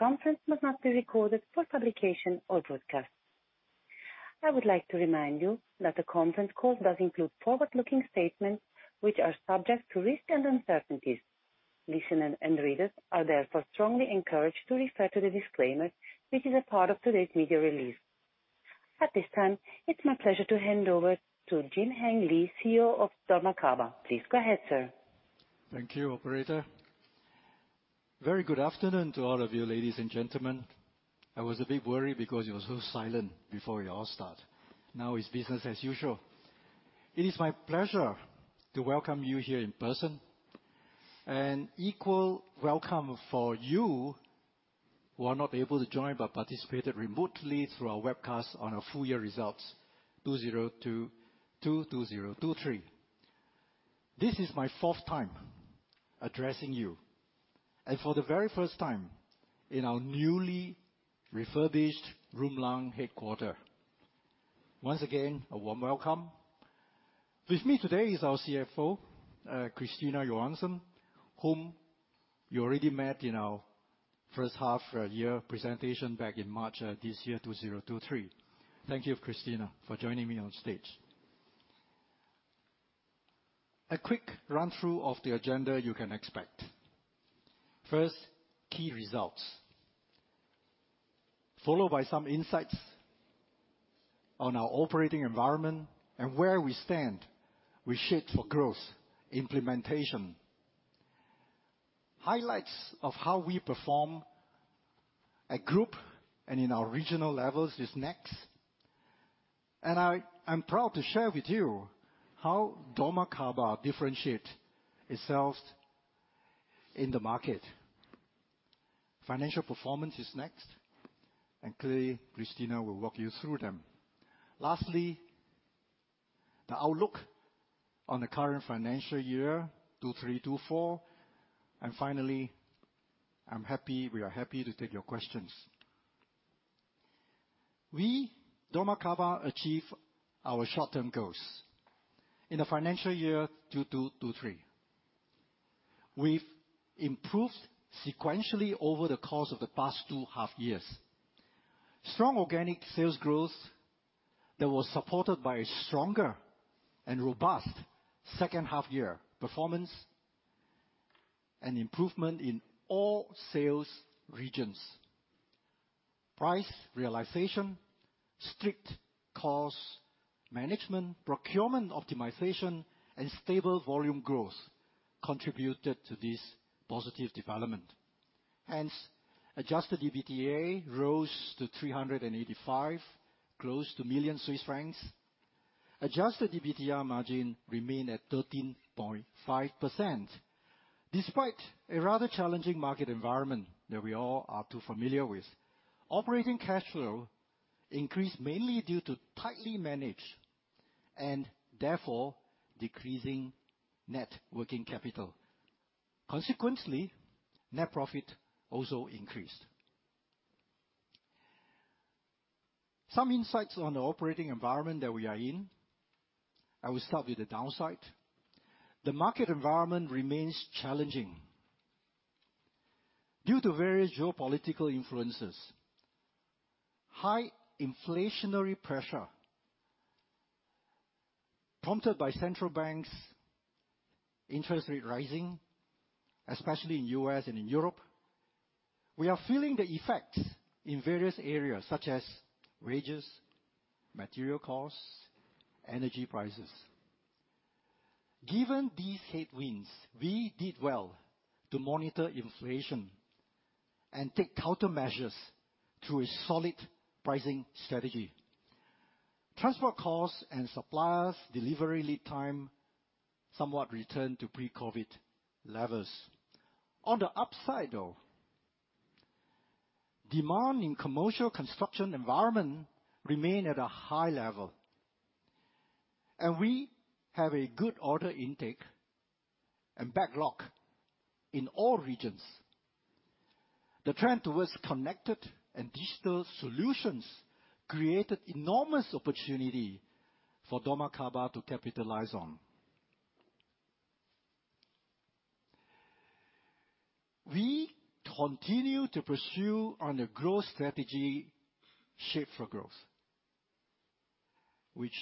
The conference must not be recorded for publication or broadcast. I would like to remind you that the conference call does include forward-looking statements, which are subject to risks and uncertainties. Listeners and readers are therefore strongly encouraged to refer to the disclaimer, which is a part of today's media release. At this time, it's my pleasure to hand over to Jim-Heng Lee, CEO of dormakaba. Please go ahead, sir. Thank you, operator. Very good afternoon to all of you, ladies and gentlemen. I was a bit worried because it was so silent before we all start. Now it's business as usual. It is my pleasure to welcome you here in person, and equal welcome for you who are not able to join, but participated remotely through our webcast on our full year results, 2022/2023. This is my fourth time addressing you, and for the very first time in our newly refurbished Rümlang headquarters. Once again, a warm welcome. With me today is our CFO, Christina Johansson, whom you already met in our first half year presentation back in March of this year, 2023. Thank you, Christina, for joining me on stage. A quick run-through of the agenda you can expect. First, key results, followed by some insights on our operating environment and where we stand with Shape4Growth implementation. Highlights of how we perform at group and in our regional levels is next. And I, I'm proud to share with you how dormakaba differentiate itself in the market. Financial performance is next, and clearly, Christina will walk you through them. Lastly, the outlook on the current financial year, 2023/24. And finally, I'm happy, we are happy to take your questions. We, dormakaba, achieve our short-term goals in the financial year 2022/23. We've improved sequentially over the course of the past two half years. Strong organic sales growth that was supported by a stronger and robust second half year performance and improvement in all sales regions. Price realization, strict cost management, procurement optimization, and stable volume growth contributed to this positive development. Hence, adjusted EBITDA rose to 385 million CHF. Adjusted EBITDA margin remained at 13.5%. Despite a rather challenging market environment that we all are too familiar with, operating cash flow increased mainly due to tightly managed, and therefore decreasing net working capital. Consequently, net profit also increased. Some insights on the operating environment that we are in. I will start with the downside. The market environment remains challenging due to various geopolitical influences. High inflationary pressure, prompted by central banks, interest rate rising, especially in U.S. and in Europe. We are feeling the effects in various areas, such as wages, material costs, energy prices. Given these headwinds, we did well to monitor inflation and take countermeasures through a solid pricing strategy. Transport costs and suppliers' delivery lead time somewhat returned to pre-COVID levels. On the upside, though, demand in commercial construction environment remains at a high level, and we have a good order intake and backlog in all regions. The trend towards connected and digital solutions creates enormous opportunity for dormakaba to capitalize on. We continue to pursue the growth strategy Shape4Growth, which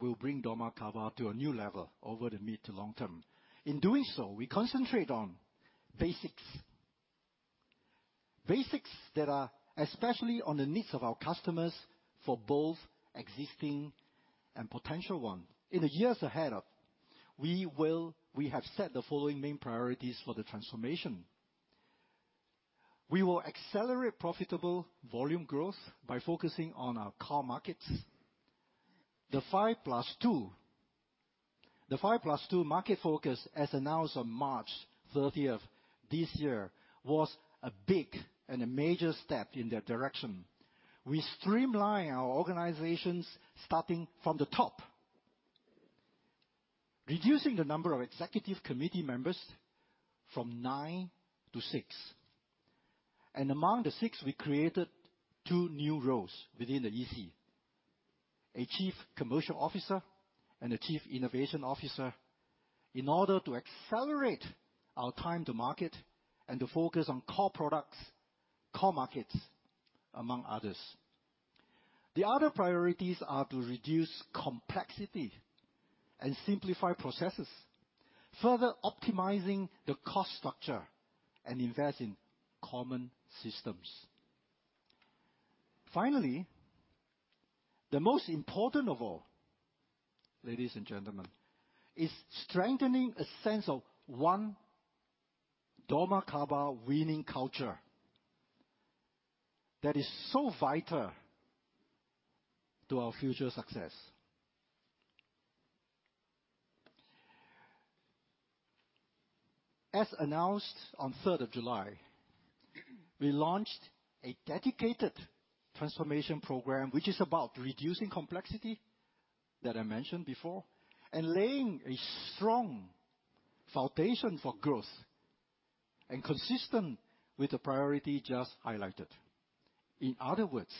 will bring dormakaba to a new level over the mid- to long-term. In doing so, we concentrate on basics. Basics that are especially on the needs of our customers for both existing and potential ones. In the years ahead, we have set the following main priorities for the transformation. We will accelerate profitable volume growth by focusing on our core markets. The 5 + 2, the 5 + 2 market focus, as announced on March 30th this year, was a big and a major step in that direction. We streamline our organizations, starting from the top, reducing the number of Executive Committee members from nine-six. Among the six, we created two new roles within the EC, a Chief Commercial Officer and a Chief Innovation Officer in order to accelerate our time to market and to focus on core products, core markets, among others. The other priorities are to reduce complexity and simplify processes, further optimizing the cost structure and invest in common systems. Finally, the most important of all, ladies and gentlemen, is strengthening a sense of one dormakaba winning culture that is so vital to our future success. As announced on 3rd of July, we launched a dedicated transformation program, which is about reducing complexity that I mentioned before, and laying a strong foundation for growth, consistent with the priority just highlighted. In other words,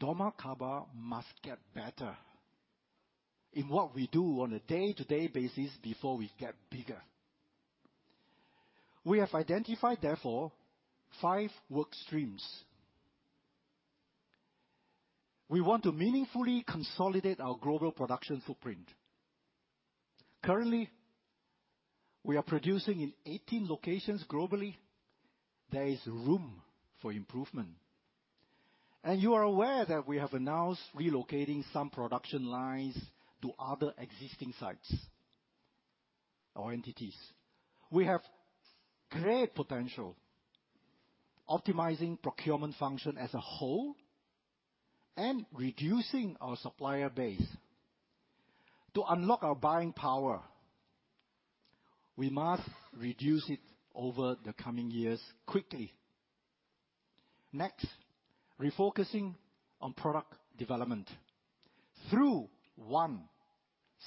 dormakaba must get better in what we do on a day-to-day basis before we get bigger. We have identified, therefore, five work streams. We want to meaningfully consolidate our global production footprint. Currently, we are producing in 18 locations globally. There is room for improvement, and you are aware that we have announced relocating some production lines to other existing sites or entities. We have great potential, optimizing procurement function as a whole and reducing our supplier base. To unlock our buying power, we must reduce it over the coming years quickly. Next, refocusing on product development through one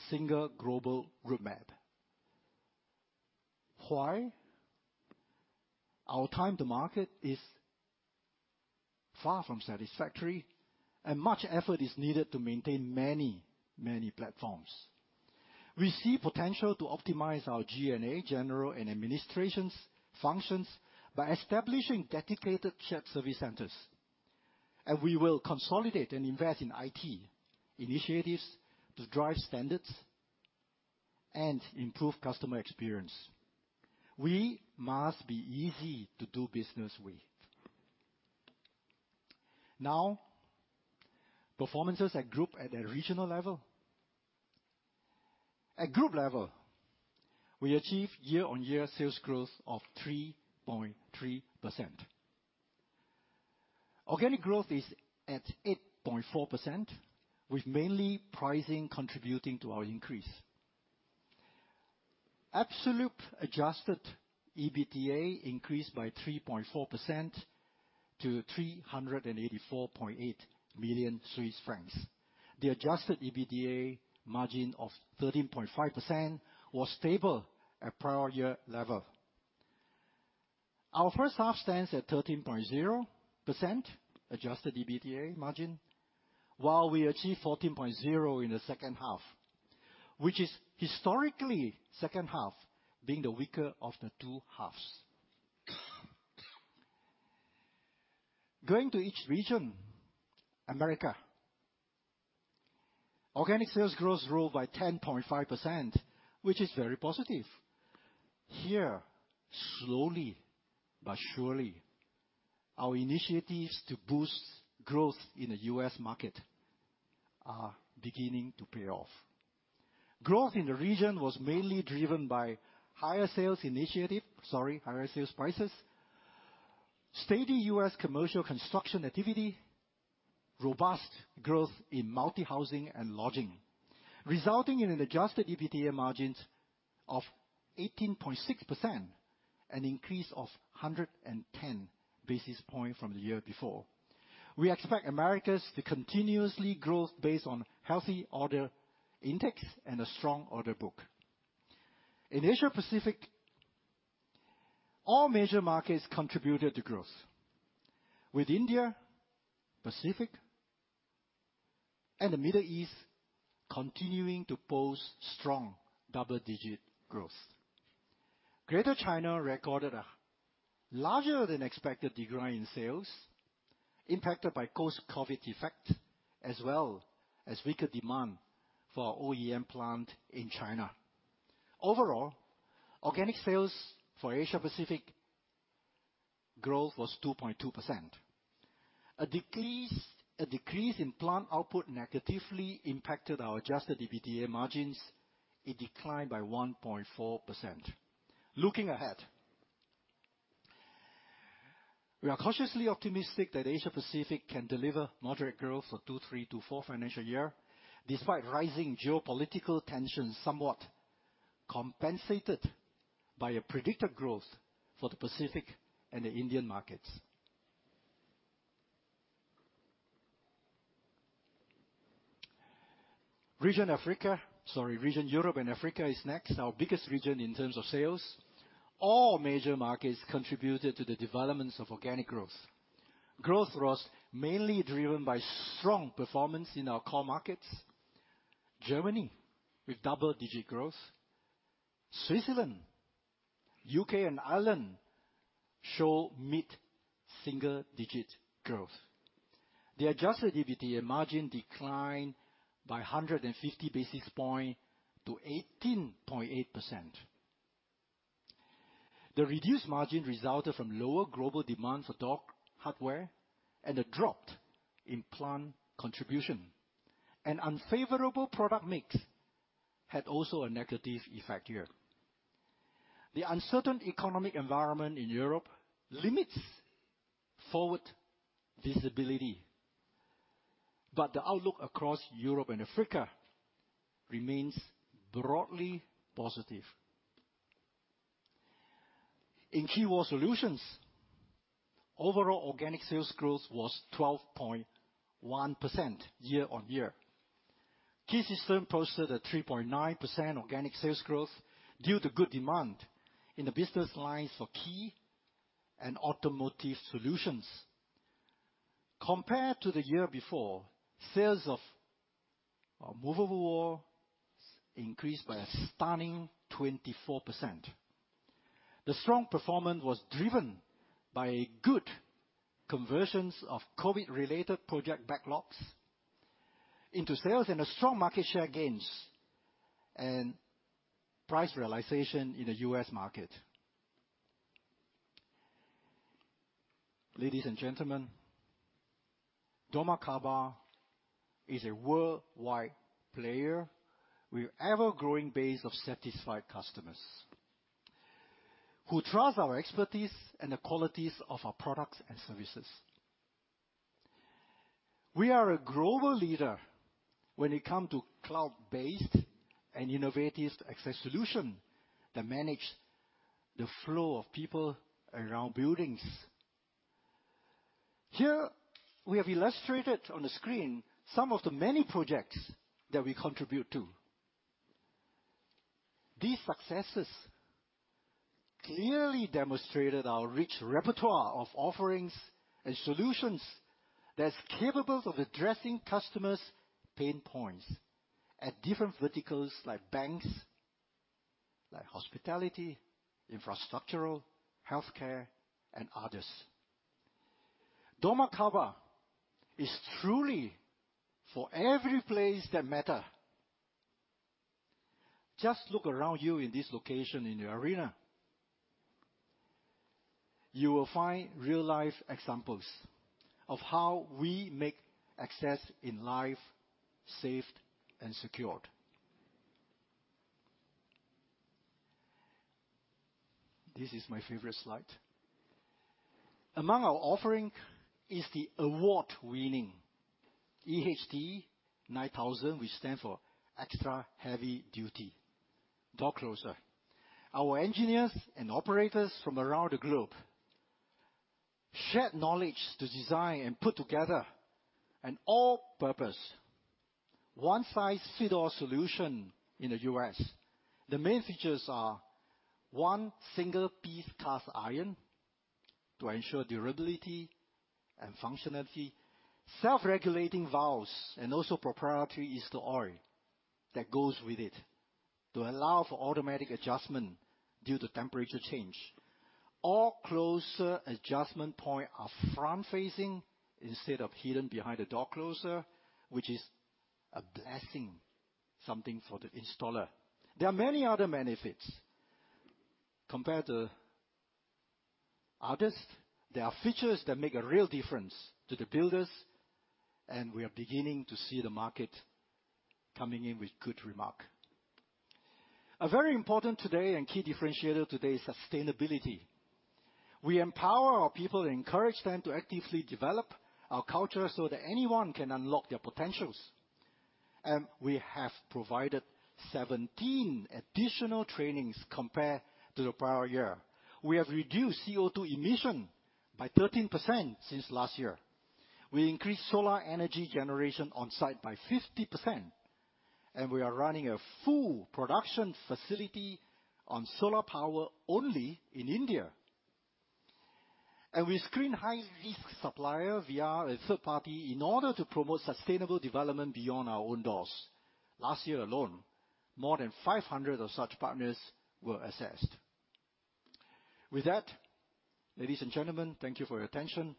single global roadmap. Why? Our time to market is far from satisfactory, and much effort is needed to maintain many, many platforms. We see potential to optimize our G&A, general and administration functions, by establishing dedicated shared service centers, and we will consolidate and invest in IT initiatives to drive standards and improve customer experience. We must be easy to do business with. Now, performances at group at a regional level. At group level, we achieve year-on-year sales growth of 3.3%. Organic growth is at 8.4%, with mainly pricing contributing to our increase. Absolute adjusted EBITDA increased by 3.4% to 384.8 million Swiss francs. The adjusted EBITDA margin of 13.5% was stable at prior year level. Our first half stands at 13.0% adjusted EBITDA margin, while we achieve 14.0% in the second half, which is historically second half being the weaker of the two halves. Going to each region, America. Organic sales growth grew by 10.5%, which is very positive. Here, slowly but surely, our initiatives to boost growth in the U.S. market are beginning to pay off. Growth in the region was mainly driven by higher sales initiative, sorry, higher sales prices, steady U.S. commercial construction activity, robust growth in multi-housing and lodging, resulting in an adjusted EBITDA margin of 18.6%, an increase of 110 basis points from the year before. We expect Americas to continuously grow based on healthy order intakes and a strong order book. In Asia Pacific, all major markets contributed to growth, with India, Pacific, and the Middle East continuing to post strong double-digit growth. Greater China recorded a larger-than-expected decline in sales, impacted by post-COVID effect, as well as weaker demand for our OEM plant in China. Overall, organic sales for Asia Pacific growth was 2.2%. A decrease, a decrease in plant output negatively impacted our adjusted EBITDA margins. It declined by 1.4%. Looking ahead, we are cautiously optimistic that Asia Pacific can deliver moderate growth for 2023-2024 financial year, despite rising geopolitical tensions, somewhat compensated by a predicted growth for the Pacific and the Indian markets. Region Africa, sorry, Region Europe and Africa is next, our biggest region in terms of sales. All major markets contributed to the developments of organic growth. Growth was mainly driven by strong performance in our core markets. Germany, with double-digit growth, Switzerland, U.K., and Ireland show mid-single-digit growth. The adjusted EBITDA margin declined by 150 basis points to 18.8%. The reduced margin resulted from lower global demand for door hardware and a dropped implant contribution. An unfavorable product mix had also a negative effect here. The uncertain economic environment in Europe limits forward visibility, but the outlook across Europe and Africa remains broadly positive. In key wall solutions, overall organic sales growth was 12.1% year-on-year. Key System posted a 3.9% organic sales growth due to good demand in the business lines for key and automotive solutions. Compared to the year before, sales of movable walls increased by a stunning 24%. The strong performance was driven by good conversions of COVID-related project backlogs into sales, and a strong market share gains and price realization in the U.S. market. Ladies and gentlemen, dormakaba is a worldwide player with ever-growing base of satisfied customers, who trust our expertise and the qualities of our products and services. We are a global leader when it comes to cloud-based and innovative access solutions that manage the flow of people around buildings. Here, we have illustrated on the screen some of the many projects that we contribute to. These successes clearly demonstrate our rich repertoire of offerings and solutions that's capable of addressing customers' pain points at different verticals, like banks, like hospitality, infrastructure, healthcare, and others. dormakaba is truly for every place that matters. Just look around you in this location, in the arena. You will find real-life examples of how we make access in life safe and secure. This is my favorite slide. Among our offerings is the award-winning EHD 9000, which stands for Extra Heavy Duty door closer. Our engineers and operators from around the globe shared knowledge to design and put together an all-purpose, one-size-fits-all solution in the U.S. The main features are single-piece cast iron to ensure durability and functionality, self-regulating valves, and also proprietary Ester oil that goes with it, to allow for automatic adjustment due to temperature change. All closer adjustment points are front-facing instead of hidden behind the door closer, which is a blessing, something for the installer. There are many other benefits. Compared to others, there are features that make a real difference to the builders, and we are beginning to see the market coming in with good remarks. A very important today and key differentiator today is sustainability. We empower our people and encourage them to actively develop our culture so that anyone can unlock their potentials. We have provided 17 additional trainings compared to the prior year. We have reduced CO2 emission by 13% since last year. We increased solar energy generation on site by 50%, and we are running a full production facility on solar power only in India. We screen high-risk supplier via a third party in order to promote sustainable development beyond our own doors. Last year alone, more than 500 of such partners were assessed. With that, ladies and gentlemen, thank you for your attention.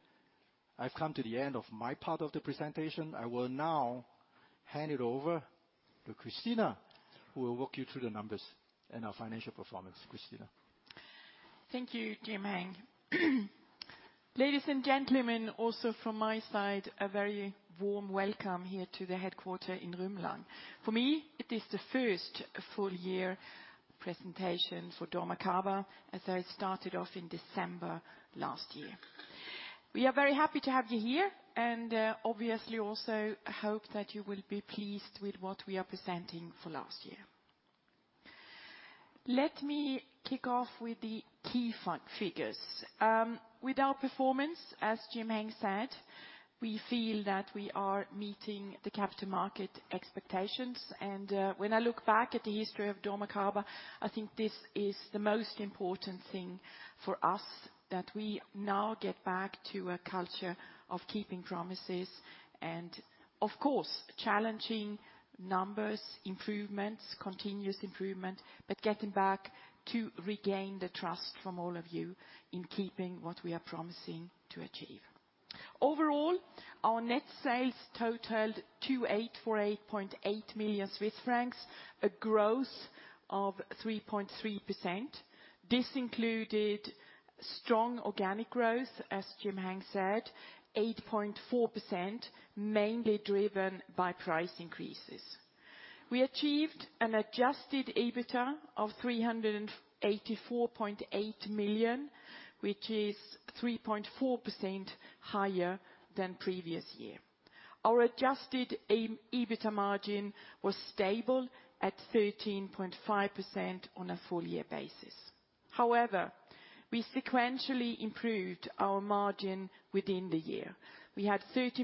I've come to the end of my part of the presentation. I will now hand it over to Christina, who will walk you through the numbers and our financial performance. Christina? Thank you, Jim-Heng. Ladies and gentlemen, also from my side, a very warm welcome here to the headquarters in Rümlang. For me, it is the first full year presentation for dormakaba, as I started off in December last year. We are very happy to have you here, and, obviously also hope that you will be pleased with what we are presenting for last year. Let me kick off with the key figures. With our performance, as Jim-Heng said, we feel that we are meeting the capital market expectations. And, when I look back at the history of dormakaba, I think this is the most important thing for us, that we now get back to a culture of keeping promises and of course, challenging numbers, improvements, continuous improvement, but getting back to regain the trust from all of you in keeping what we are promising to achieve. Overall, our net sales totaled 2,848.8 million Swiss francs, a growth of 3.3%. This included strong organic growth, as Jim-Heng said, 8.4%, mainly driven by price increases. We achieved an adjusted EBITDA of 384.8 million, which is 3.4% higher than previous year. Our adjusted EBITDA margin was stable at 13.5% on a full year basis. However, we sequentially improved our margin within the year. We had 13%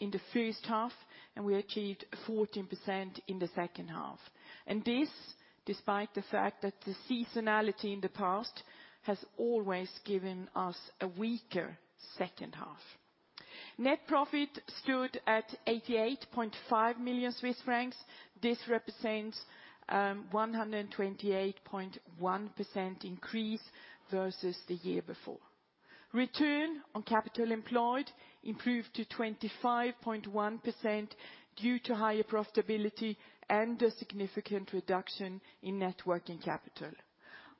in the first half, and we achieved 14% in the second half. And this, despite the fact that the seasonality in the past has always given us a weaker second half. Net profit stood at 88.5 million Swiss francs. This represents one hundred and 28 point 1% increase versus the year before. Return on capital employed improved to 25.1% due to higher profitability and a significant reduction in net working capital.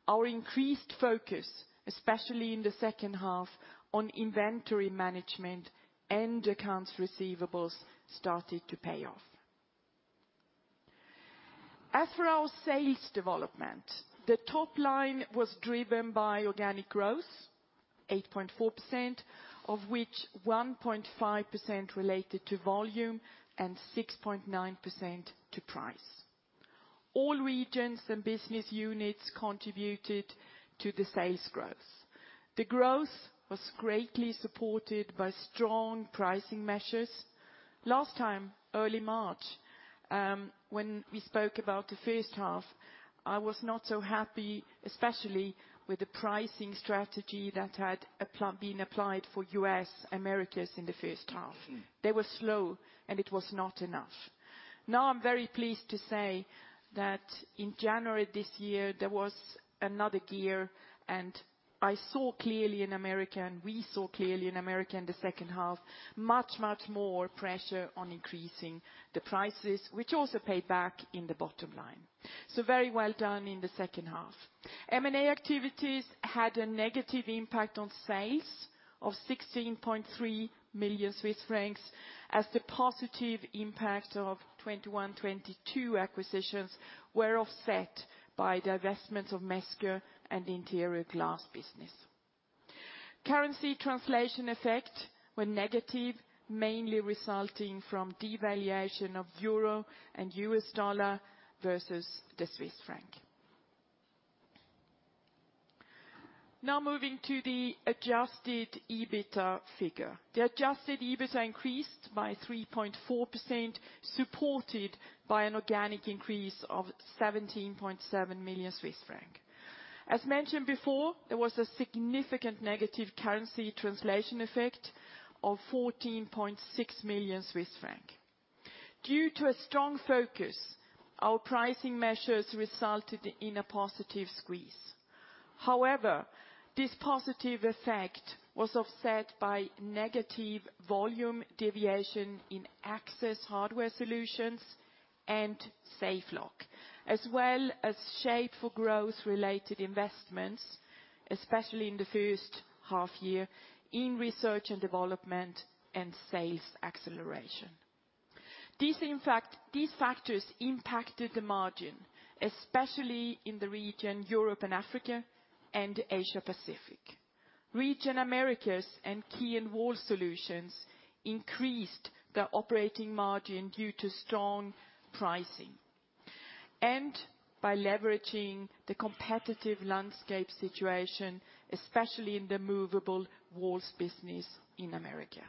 Our increased focus, especially in the second half, on inventory management and accounts receivables, started to pay off. As for our sales development, the top line was driven by organic growth, 8.4%, of which 1.5% related to volume and 6.9% to price. All regions and business units contributed to the sales growth. The growth was greatly supported by strong pricing measures. Last time, early March, when we spoke about the first half, I was not so happy, especially with the pricing strategy that had been applied for U.S. Americas in the first half. They were slow, and it was not enough. Now, I'm very pleased to say that in January this year, there was another gear, and I saw clearly in America, and we saw clearly in America in the second half, much, much more pressure on increasing the prices, which also paid back in the bottom line. So very well done in the second half. M&A activities had a negative impact on sales of 16.3 million Swiss francs, as the positive impact of 2021, 2022 acquisitions were offset by the divestment of Mesker and interior glass business. Currency translation effect were negative, mainly resulting from devaluation of euro and U.S. dollar versus the Swiss franc. Now moving to the adjusted EBITDA figure. The adjusted EBITDA increased by 3.4%, supported by an organic increase of 17.7 million Swiss francs. As mentioned before, there was a significant negative currency translation effect of 14.6 million Swiss francs. Due to a strong focus, our pricing measures resulted in a positive squeeze. However, this positive effect was offset by negative volume deviation in Access Hardware Solutions and Safe Locks, as well as Shape4Growth-related investments, especially in the first half year in research and development and sales acceleration. These factors impacted the margin, especially in the region, Europe and Africa and Asia Pacific. Region Americas and key and wall solutions increased the operating margin due to strong pricing and by leveraging the competitive landscape situation, especially in the movable walls business in America.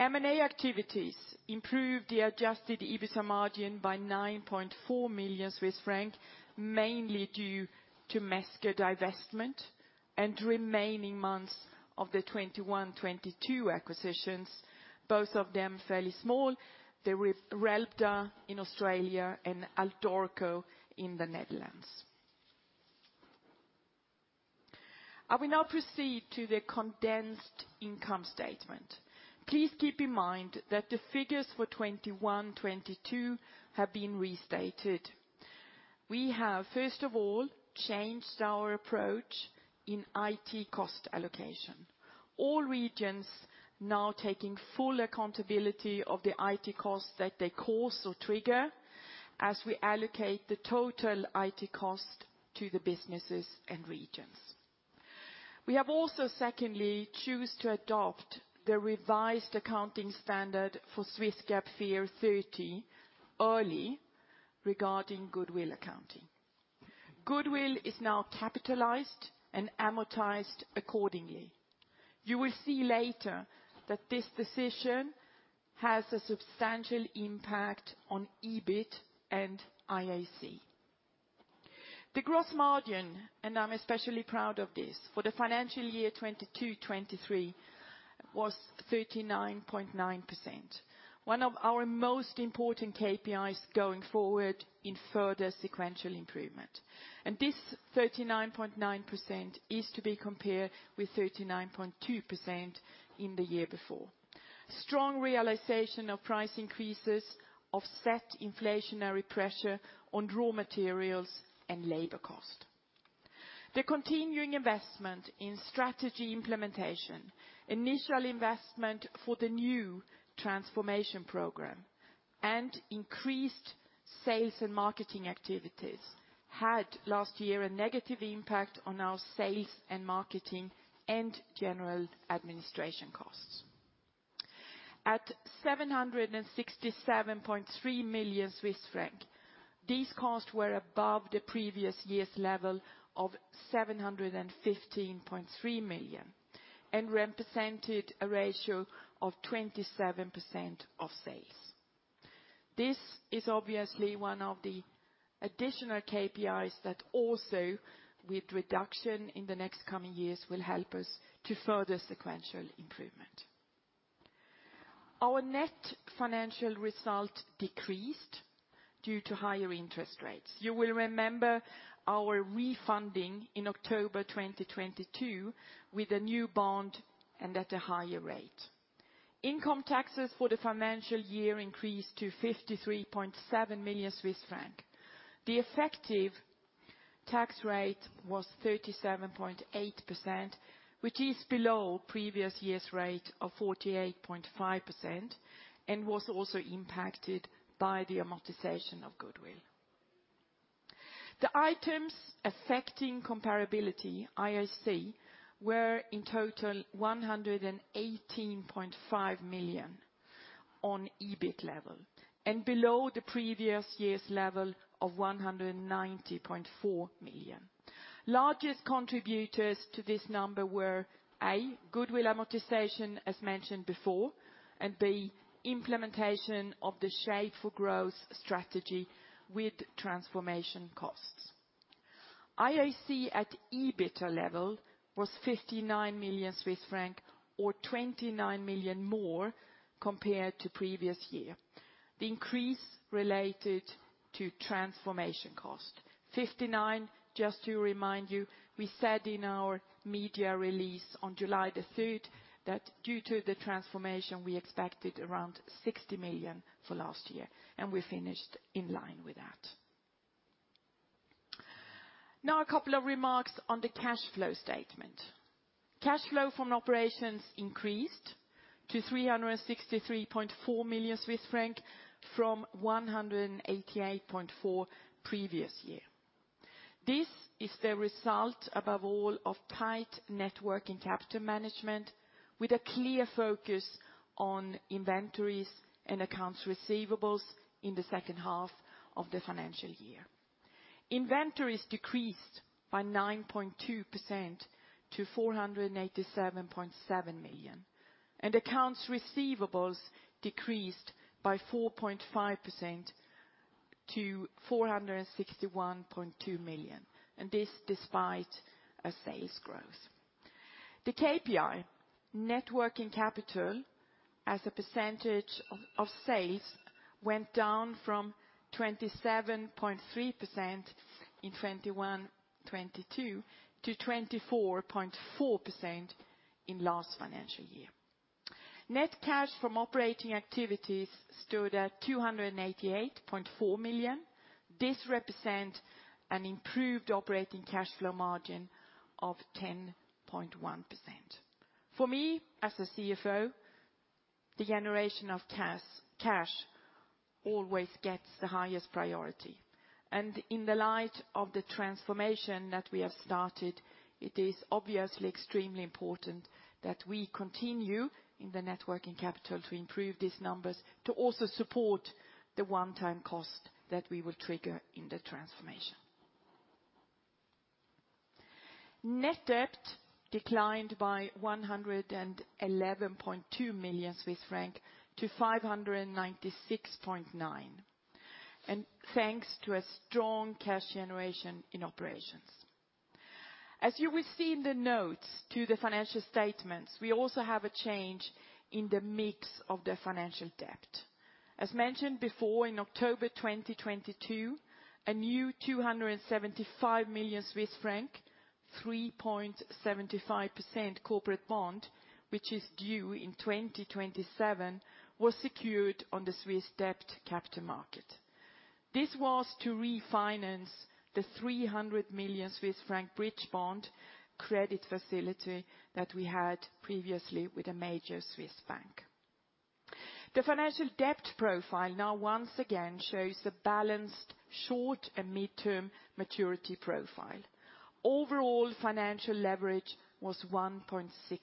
M&A activities improved the adjusted EBITDA margin by 9.4 million Swiss francs, mainly due to Mesker divestment and remaining months of the 2021, 2022 acquisitions, both of them fairly small. The Reltar in Australia and Alldoorco in the Netherlands. I will now proceed to the condensed income statement. Please keep in mind that the figures for 2021, 2022 have been restated. We have, first of all, changed our approach in IT cost allocation. All regions now taking full accountability of the IT costs that they cause or trigger, as we allocate the total IT cost to the businesses and regions. We have also secondly, choose to adopt the revised accounting standard for Swiss GAAP FER 30 early regarding goodwill accounting. Goodwill is now capitalized and amortized accordingly. You will see later that this decision has a substantial impact on EBIT and IAC. The gross margin, and I'm especially proud of this, for the financial year 2022, 2023 was 39.9%. One of our most important KPIs going forward in further sequential improvement, and this 39.9% is to be compared with 39.2% in the year before. Strong realization of price increases offset inflationary pressure on raw materials and labor cost. The continuing investment in strategy implementation, initial investment for the new transformation program, and increased sales and marketing activities had last year a negative impact on our sales and marketing and general administration costs. At 767.3 million Swiss francs, these costs were above the previous year's level of 715.3 million, and represented a ratio of 27% of sales. This is obviously one of the additional KPIs that also, with reduction in the next coming years, will help us to further sequential improvement. Our net financial result decreased due to higher interest rates. You will remember our refunding in October 2022, with a new bond and at a higher rate. Income taxes for the financial year increased to 53.7 million Swiss francs. The effective tax rate was 37.8%, which is below previous year's rate of 48.5%, and was also impacted by the amortization of goodwill. The items affecting comparability, IAC, were in total 118.5 million on EBIT level, and below the previous year's level of 190.4 million. Largest contributors to this number were, A, goodwill amortization, as mentioned before, and B, implementation of the Shape4Growth strategy with transformation costs. IAC at EBITDA level was 59 million Swiss francs, or 29 million more compared to previous year. The increase related to transformation cost. 59, just to remind you, we said in our media release on July the third, that due to the transformation, we expected around 60 million for last year, and we finished in line with that. Now, a couple of remarks on the cash flow statement. Cash flow from operations increased to 363.4 million Swiss francs from 188.4 previous year. This is the result, above all, of tight net working capital management, with a clear focus on inventories and accounts receivables in the second half of the financial year. Inventories decreased by 9.2% to 487.7 million, and accounts receivables decreased by 4.5% to 461.2 million, and this despite a sales growth. The KPI, Net Working Capital, as a percentage of sales, went down from 27.3% in 2021/22 to 24.4% in last financial year. Net cash from operating activities stood at 288.4 million. This represent an improved operating cash flow margin of 10.1%. For me, as a CFO, the generation of cash always gets the highest priority, and in the light of the transformation that we have started, it is obviously extremely important that we continue in the Net Working Capital to improve these numbers, to also support the one-time cost that we will trigger in the transformation. Net debt declined by 111.2 million Swiss francs to 596.9 million, and thanks to a strong cash generation in operations. As you will see in the notes to the financial statements, we also have a change in the mix of the financial debt. As mentioned before, in October 2022, a new CHF 275 million, 3.75% corporate bond, which is due in 2027, was secured on the Swiss debt capital market. This was to refinance the 300 million Swiss franc bridge bond credit facility that we had previously with a major Swiss bank. The financial debt profile now once again shows a balanced short and midterm maturity profile. Overall, financial leverage was 1.6x.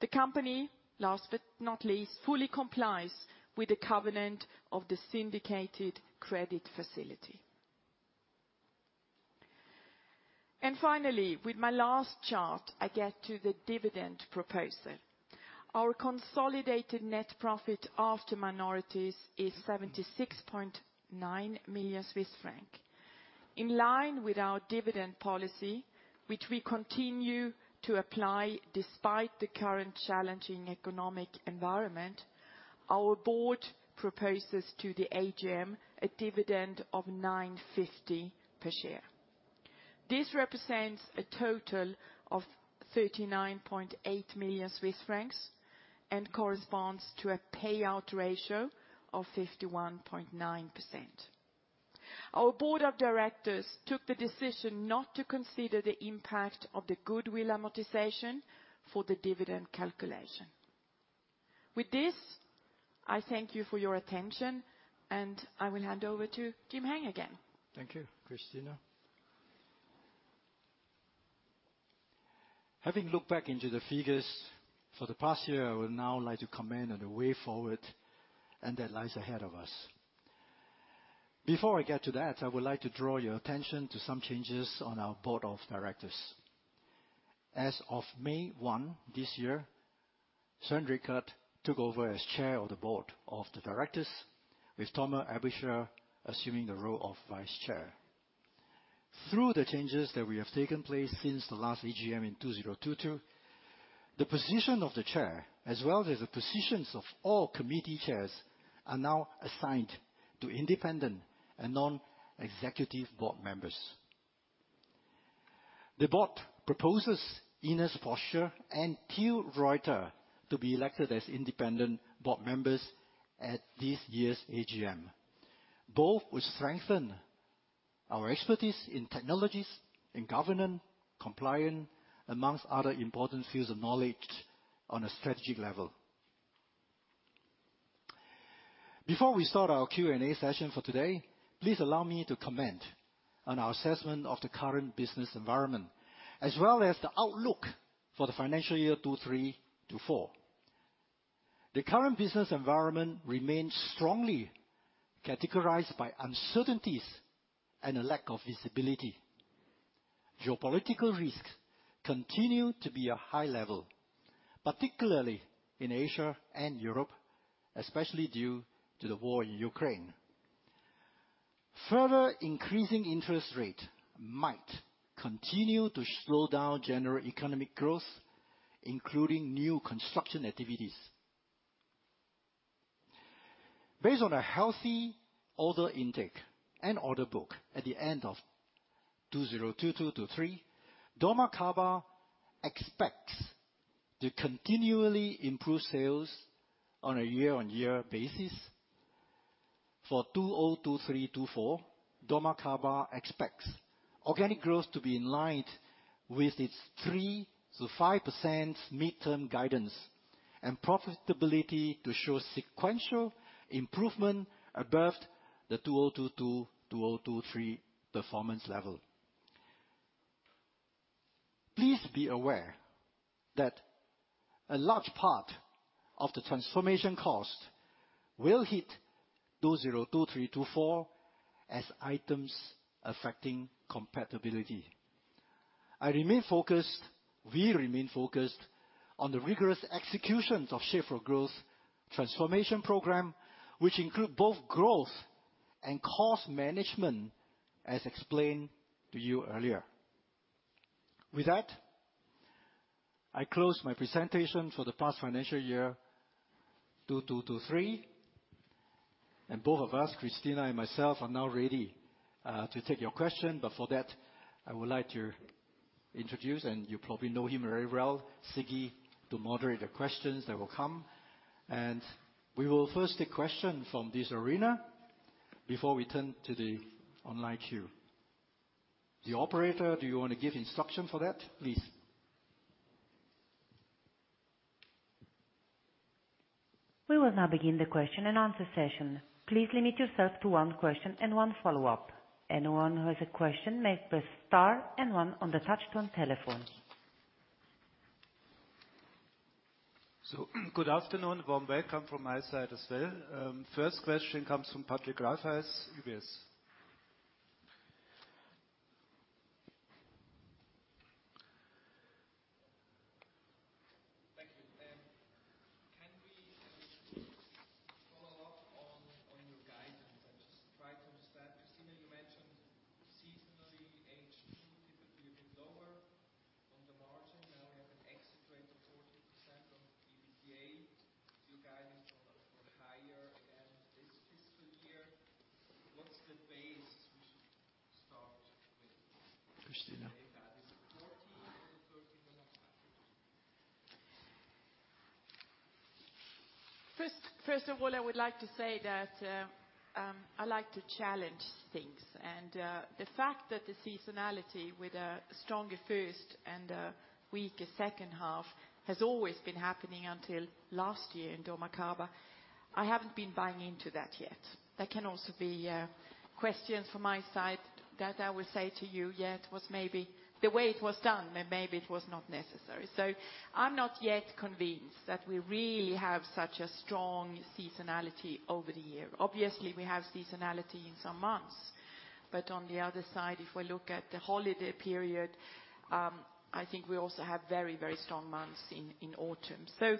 The company, last but not least, fully complies with the covenant of the syndicated credit facility. And finally, with my last chart, I get to the dividend proposal. Our consolidated net profit after minorities is 76.9 million Swiss francs. In line with our dividend policy, which we continue to apply despite the current challenging economic environment, our board proposes to the AGM a dividend of 9.50 per share. This represents a total of 39.8 million Swiss francs and corresponds to a payout ratio of 51.9%. Our Board of Directors took the decision not to consider the impact of the goodwill amortization for the dividend calculation. With this, I thank you for your attention, and I will hand over to Jim-Heng again. Thank you, Christina. Having looked back into the figures for the past year, I would now like to comment on the way forward, and that lies ahead of us. Before I get to that, I would like to draw your attention to some changes on our Board of Directors. As of May 1, this year, Svein Richard Brandtzæg took over as Chair of the Board of Directors, with Thomas Aebischer assuming the role of Vice Chair. Through the changes that we have taken place since the last AGM in 2022, the position of the Chair, as well as the positions of all committee chairs, are now assigned to independent and non-executive board members. The board proposes Ines Pöschel and Till Reuter to be elected as independent board members at this year's AGM. Both will strengthen our expertise in technologies, in governance, compliance, among other important fields of knowledge on a strategic level. Before we start our Q&A session for today, please allow me to comment on our assessment of the current business environment, as well as the outlook for the financial year 2023/24. The current business environment remains strongly categorized by uncertainties and a lack of visibility. Geopolitical risks continue to be a high level, particularly in Asia and Europe, especially due to the war in Ukraine. Further increasing interest rate might continue to slow down general economic growth, including new construction activities. Based on a healthy order intake and order book at the end of 2022/23, dormakaba expects to continually improve sales on a year-on-year basis. For 2023/24, dormakaba expects organic growth to be in line with its 3%-5% mid-term guidance, and profitability to show sequential improvement above the 2022/23 performance level. Please be aware that a large part of the transformation cost will hit 2023/24 as items affecting comparability. I remain focused - We remain focused on the rigorous execution of Shape4Growth transformation program, which includes both growth and cost management, as explained to you earlier. With that, I close my presentation for the past financial year, 2022/23, and both of us, Christina and myself, are now ready to take your questions. But for that, I would like to introduce, and you probably know him very well, Siggy, to moderate the questions that will come. We will first take questions from this arena before we turn to the online queue. The operator, do you want to give instruction for that, please? We will now begin the question-and-answer session. Please limit yourself to one question and one follow-up. Anyone who has a question may press star and one on the touchtone telephone. Good afternoon. Warm welcome from my side as well. First question comes from Patrick Rafaisz, UBS. Thank you. Can we follow up on, on your guidance? I'm just trying to understand. Christina, you mentioned seasonally, H2 typically a bit lower on the margin. Now we have an exit rate of 40% on EBITDA. So you're guiding for, for higher again this fiscal year. What's the base we should start with? Christina. That is 14% or 13.5%? First, first of all, I would like to say that, I like to challenge things, and, the fact that the seasonality with a stronger first and a weaker second half has always been happening until last year in dormakaba, I haven't been buying into that yet. There can also be, questions from my side that I will say to you, yeah, it was maybe the way it was done, but maybe it was not necessary. So I'm not yet convinced that we really have such a strong seasonality over the year. Obviously, we have seasonality in some months, but on the other side, if we look at the holiday period, I think we also have very, very strong months in autumn. So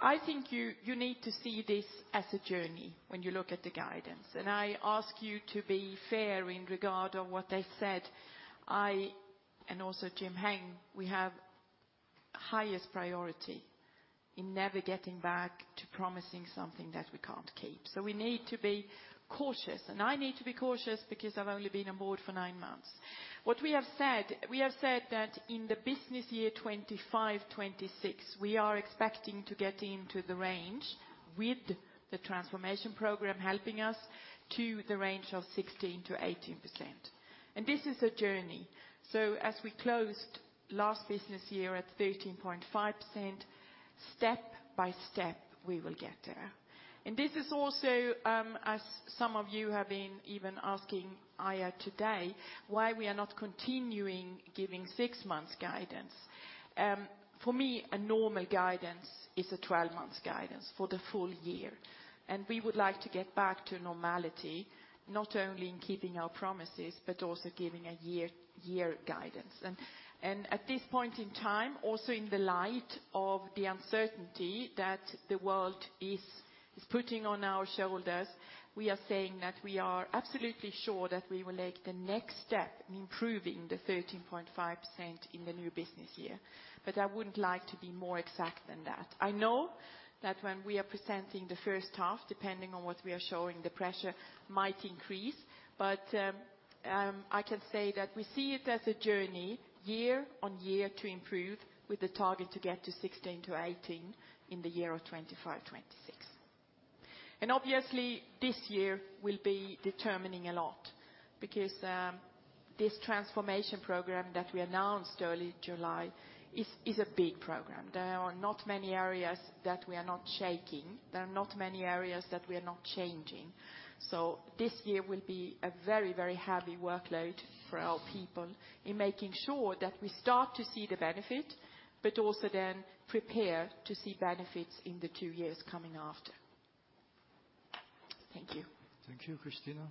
I think you need to see this as a journey when you look at the guidance, and I ask you to be fair in regard of what I said. I, and also Jim-Heng, we have highest priority in never getting back to promising something that we can't keep. So we need to be cautious, and I need to be cautious because I've only been on board for nine months. What we have said, we have said that in the business year 2025, 2026, we are expecting to get into the range with the transformation program helping us to the range of 16%-18%. And this is a journey. So as we closed last business year at 13.5%, step by step, we will get there. This is also, as some of you have been even asking here today, why we are not continuing giving six months guidance. For me, a normal guidance is a 12-month guidance for the full year, and we would like to get back to normality, not only in keeping our promises, but also giving a year, year guidance. And at this point in time, also in the light of the uncertainty that the world is putting on our shoulders, we are saying that we are absolutely sure that we will make the next step in improving the 13.5% in the new business year. But I wouldn't like to be more exact than that. I know that when we are presenting the first half, depending on what we are showing, the pressure might increase, but I can say that we see it as a journey, year on year, to improve with the target to get to 16%-18% in the year of 2025, 2026. Obviously, this year will be determining a lot because this transformation program that we announced early July is a big program. There are not many areas that we are not shaking. There are not many areas that we are not changing. So this year will be a very, very heavy workload for our people in making sure that we start to see the benefit, but also then prepare to see benefits in the two years coming after. Thank you. Thank you, Christina,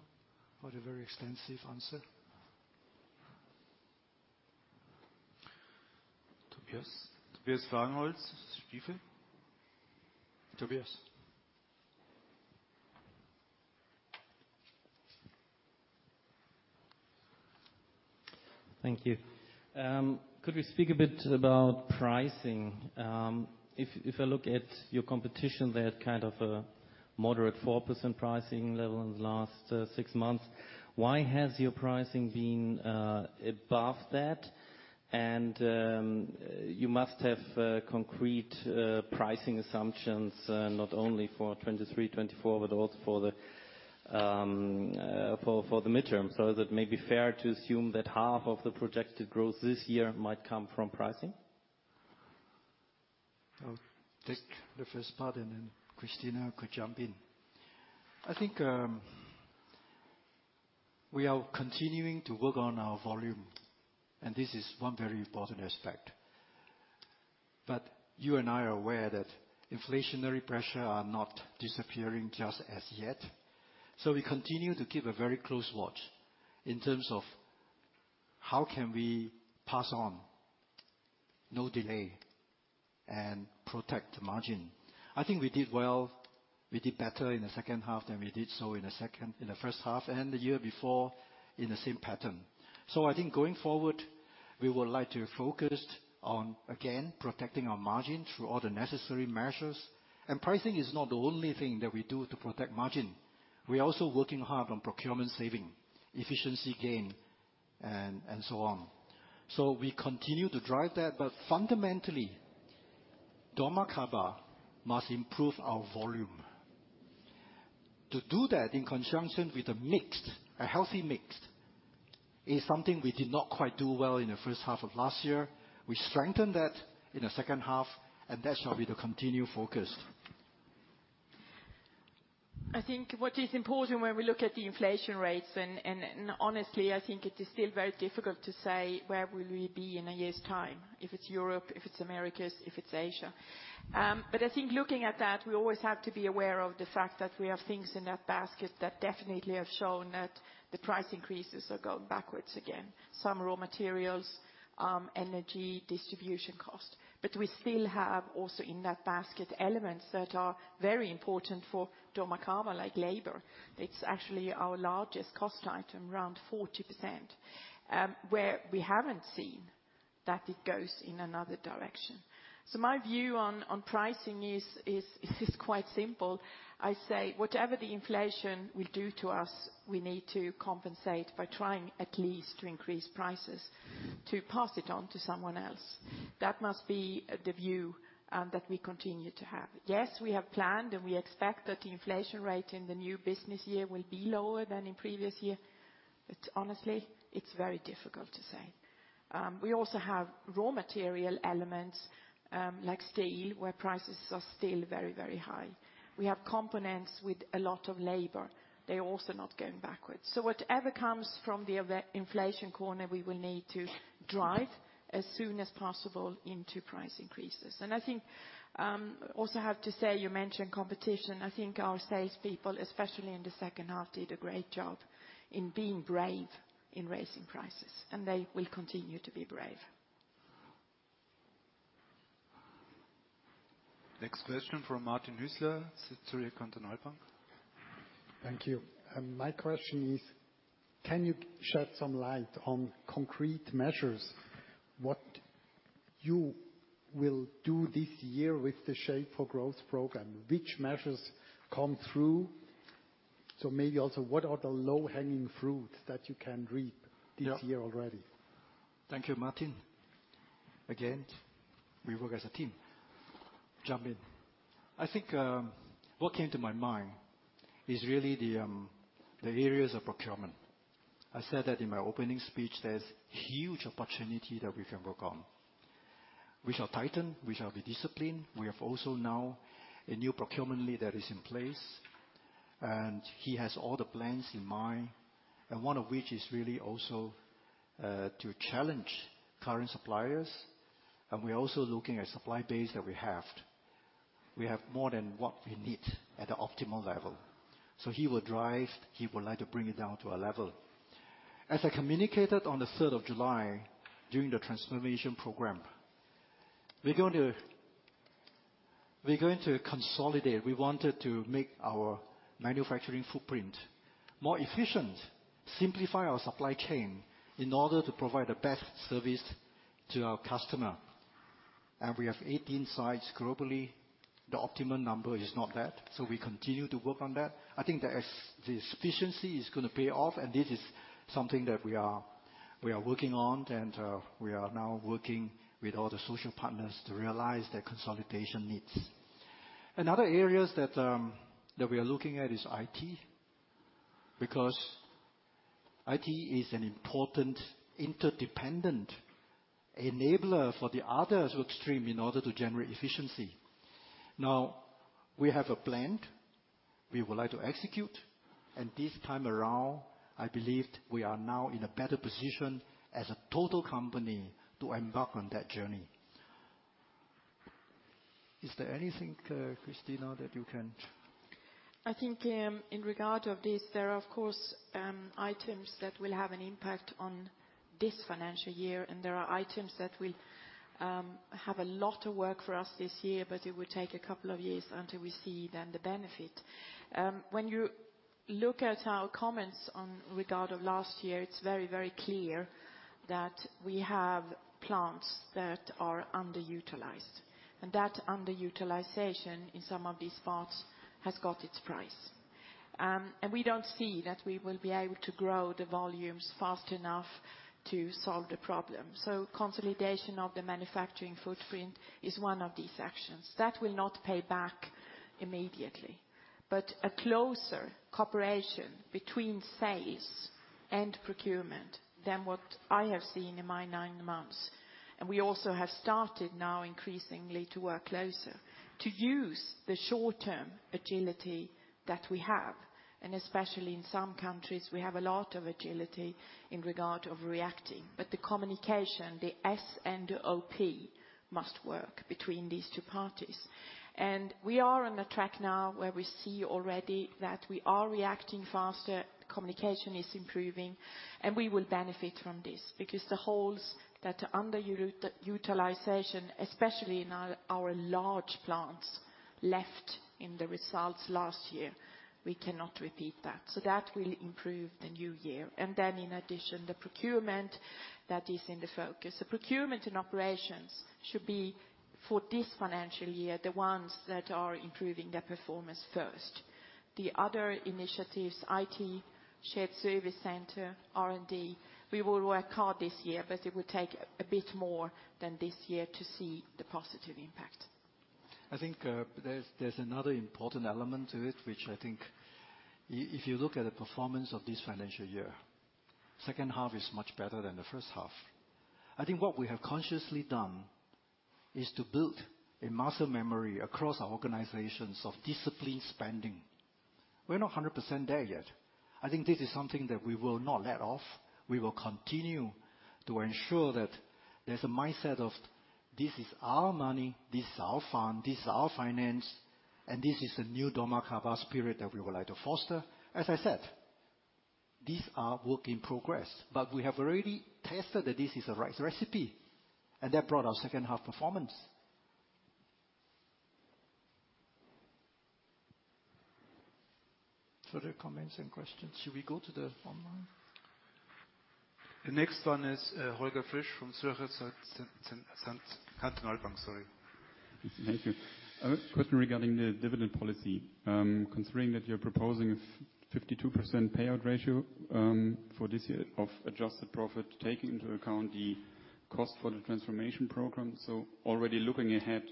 for the very extensive answer. Tobias? Tobias Woerner, Stifel. Tobias. Thank you. Could we speak a bit about pricing? If, if I look at your competition, they had kind of a moderate 4% pricing level in the last, six months. Why has your pricing been, above that? And, you must have, concrete, pricing assumptions, not only for 2023, 2024, but also for the, for, for the midterm. So is it maybe fair to assume that half of the projected growth this year might come from pricing? I'll take the first part, and then Christina could jump in. I think, we are continuing to work on our volume, and this is one very important aspect. But you and I are aware that inflationary pressure are not disappearing just as yet. So we continue to keep a very close watch in terms of how can we pass on no delay and protect the margin. I think we did well. We did better in the second half than we did so in the first half, and the year before in the same pattern. So I think going forward, we would like to focus on, again, protecting our margin through all the necessary measures. And pricing is not the only thing that we do to protect margin. We're also working hard on procurement saving, efficiency gain, and so on. So we continue to drive that, but fundamentally, dormakaba must improve our volume. To do that in conjunction with a mix, a healthy mix, is something we did not quite do well in the first half of last year. We strengthened that in the second half, and that shall be the continued focus. I think what is important when we look at the inflation rates, and honestly, I think it is still very difficult to say where will we be in a year's time, if it's Europe, if it's Americas, if it's Asia. But I think looking at that, we always have to be aware of the fact that we have things in that basket that definitely have shown that the price increases are going backwards again, some raw materials, energy, distribution cost. But we still have also in that basket, elements that are very important for dormakaba, like labor. It's actually our largest cost item, around 40%, where we haven't seen that it goes in another direction. So my view on pricing is quite simple. I say, whatever the inflation will do to us, we need to compensate by trying at least to increase prices, to pass it on to someone else. That must be the view that we continue to have. Yes, we have planned, and we expect that the inflation rate in the new business year will be lower than in previous year. But honestly, it's very difficult to say. We also have raw material elements, like steel, where prices are still very, very high. We have components with a lot of labor. They're also not going backwards. So whatever comes from the other inflation corner, we will need to drive as soon as possible into price increases. And I think, also have to say, you mentioned competition. I think our sales people, especially in the second half, did a great job in being brave in raising prices, and they will continue to be brave. Next question from Martin Hüsler, Zürcher Kantonalbank. Thank you. My question is, can you shed some light on concrete measures, what you will do this year with the Shape4Growth program? Which measures come through? So maybe also, what are the low-hanging fruit that you can reap- Yeah. this year already? Thank you, Martin. Again, we work as a team. Jump in. I think, what came to my mind is really the areas of procurement. I said that in my opening speech, there's huge opportunity that we can work on. We shall tighten, we shall be disciplined. We have also now a new procurement lead that is in place, and he has all the plans in mind, and one of which is really also to challenge current suppliers, and we're also looking at supply base that we have. We have more than what we need at the optimal level, so he will drive, he would like to bring it down to a level. As I communicated on the third of July, during the transformation program, we're going to, we're going to consolidate. We wanted to make our manufacturing footprint more efficient, simplify our supply chain in order to provide the best service to our customer, and we have 18 sites globally. The optimum number is not that, so we continue to work on that. I think that as this efficiency is gonna pay off, and this is something that we are working on, and we are now working with all the social partners to realize their consolidation needs. Another areas that we are looking at is IT, because IT is an important interdependent enabler for the others to extreme in order to generate efficiency. Now, we have a plan we would like to execute, and this time around, I believed we are now in a better position as a total company to embark on that journey. Is there anything, Christina, that you can.? I think, in regard of this, there are, of course, items that will have an impact on this financial year, and there are items that will have a lot of work for us this year, but it will take a couple of years until we see then the benefit. When you look at our comments on regard of last year, it's very, very clear that we have plants that are underutilized, and that underutilization in some of these parts has got its price. And we don't see that we will be able to grow the volumes fast enough to solve the problem. So consolidation of the manufacturing footprint is one of these actions. That will not pay back immediately, but a closer cooperation between sales and procurement than what I have seen in my nine months, and we also have started now increasingly to work closer, to use the short-term agility that we have, and especially in some countries, we have a lot of agility in regard of reacting. But the communication, the S&OP, must work between these two parties. And we are on a track now where we see already that we are reacting faster, communication is improving, and we will benefit from this, because the holes that are underutilization, especially in our large plants, left in the results last year, we cannot repeat that. So that will improve the new year. And then in addition, the procurement, that is in the focus. The procurement and operations should be, for this financial year, the ones that are improving their performance first. The other initiatives, IT, shared service center, R&D, we will work hard this year, but it will take a bit more than this year to see the positive impact. I think, there's another important element to it, which I think if you look at the performance of this financial year, second half is much better than the first half. I think what we have consciously done is to build a muscle memory across our organizations of disciplined spending. We're not 100% there yet. I think this is something that we will not let off. We will continue to ensure that there's a mindset of this is our money, this is our fund, this is our finance, and this is the new dormakaba spirit that we would like to foster. As I said, these are work in progress, but we have already tested that this is the right recipe, and that brought our second half performance. Further comments and questions. Should we go to the online? The next one is Holger Frisch from Zürcher Kantonalbank, sorry. Thank you. I have a question regarding the dividend policy. Considering that you're proposing a 52% payout ratio, for this year of adjusted profit, taking into account the cost for the transformation program, so already looking ahead.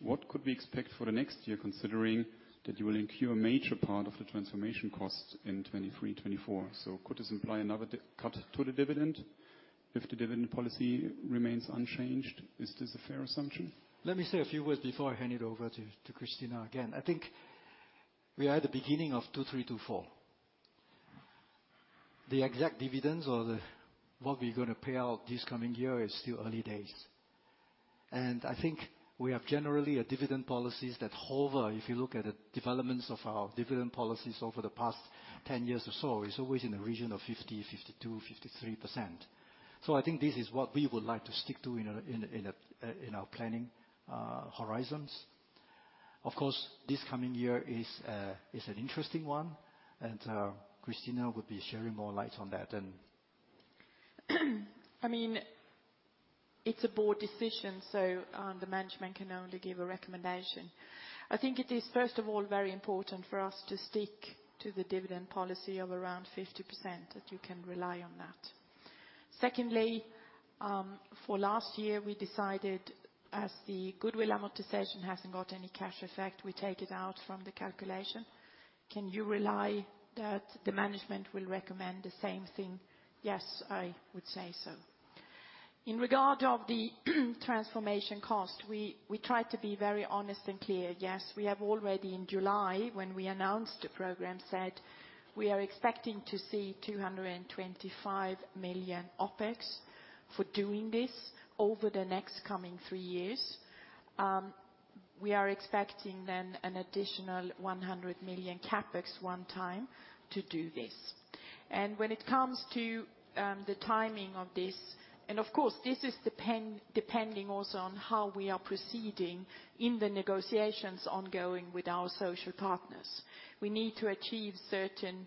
What could we expect for the next year, considering that you will incur a major part of the transformation costs in 2023, 2024? So could this imply another cut to the dividend if the dividend policy remains unchanged? Is this a fair assumption? Let me say a few words before I hand it over to Christina again. I think we are at the beginning of two-three to four. The exact dividends or what we're going to pay out this coming year is still early days. I think we have generally a dividend policies that hover, if you look at the developments of our dividend policies over the past 10 years or so, it's always in the region of 50%, 52%, 53%. So I think this is what we would like to stick to in our planning horizons. Of course, this coming year is an interesting one, and Christina would be sharing more light on that. And- I mean, it's a board decision, so the management can only give a recommendation. I think it is, first of all, very important for us to stick to the dividend policy of around 50%, that you can rely on that. Secondly, for last year, we decided, as the goodwill amortization hasn't got any cash effect, we take it out from the calculation. Can you rely that the management will recommend the same thing? Yes, I would say so. In regard of the transformation cost, we try to be very honest and clear. Yes, we have already in July, when we announced the program, said we are expecting to see 225 million OpEx for doing this over the next coming three years. We are expecting then an additional 100 million CapEx one time to do this. When it comes to the timing of this, and of course, this is depending also on how we are proceeding in the negotiations ongoing with our social partners. We need to achieve certain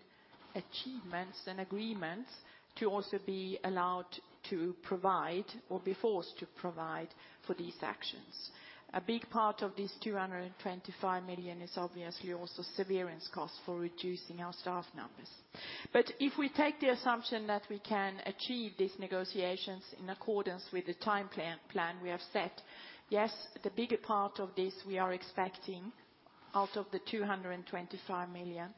achievements and agreements to also be allowed to provide or be forced to provide for these actions. A big part of this 225 million is obviously also severance costs for reducing our staff numbers. But if we take the assumption that we can achieve these negotiations in accordance with the time plan we have set, yes, the bigger part of this, we are expecting, out of the 225 million,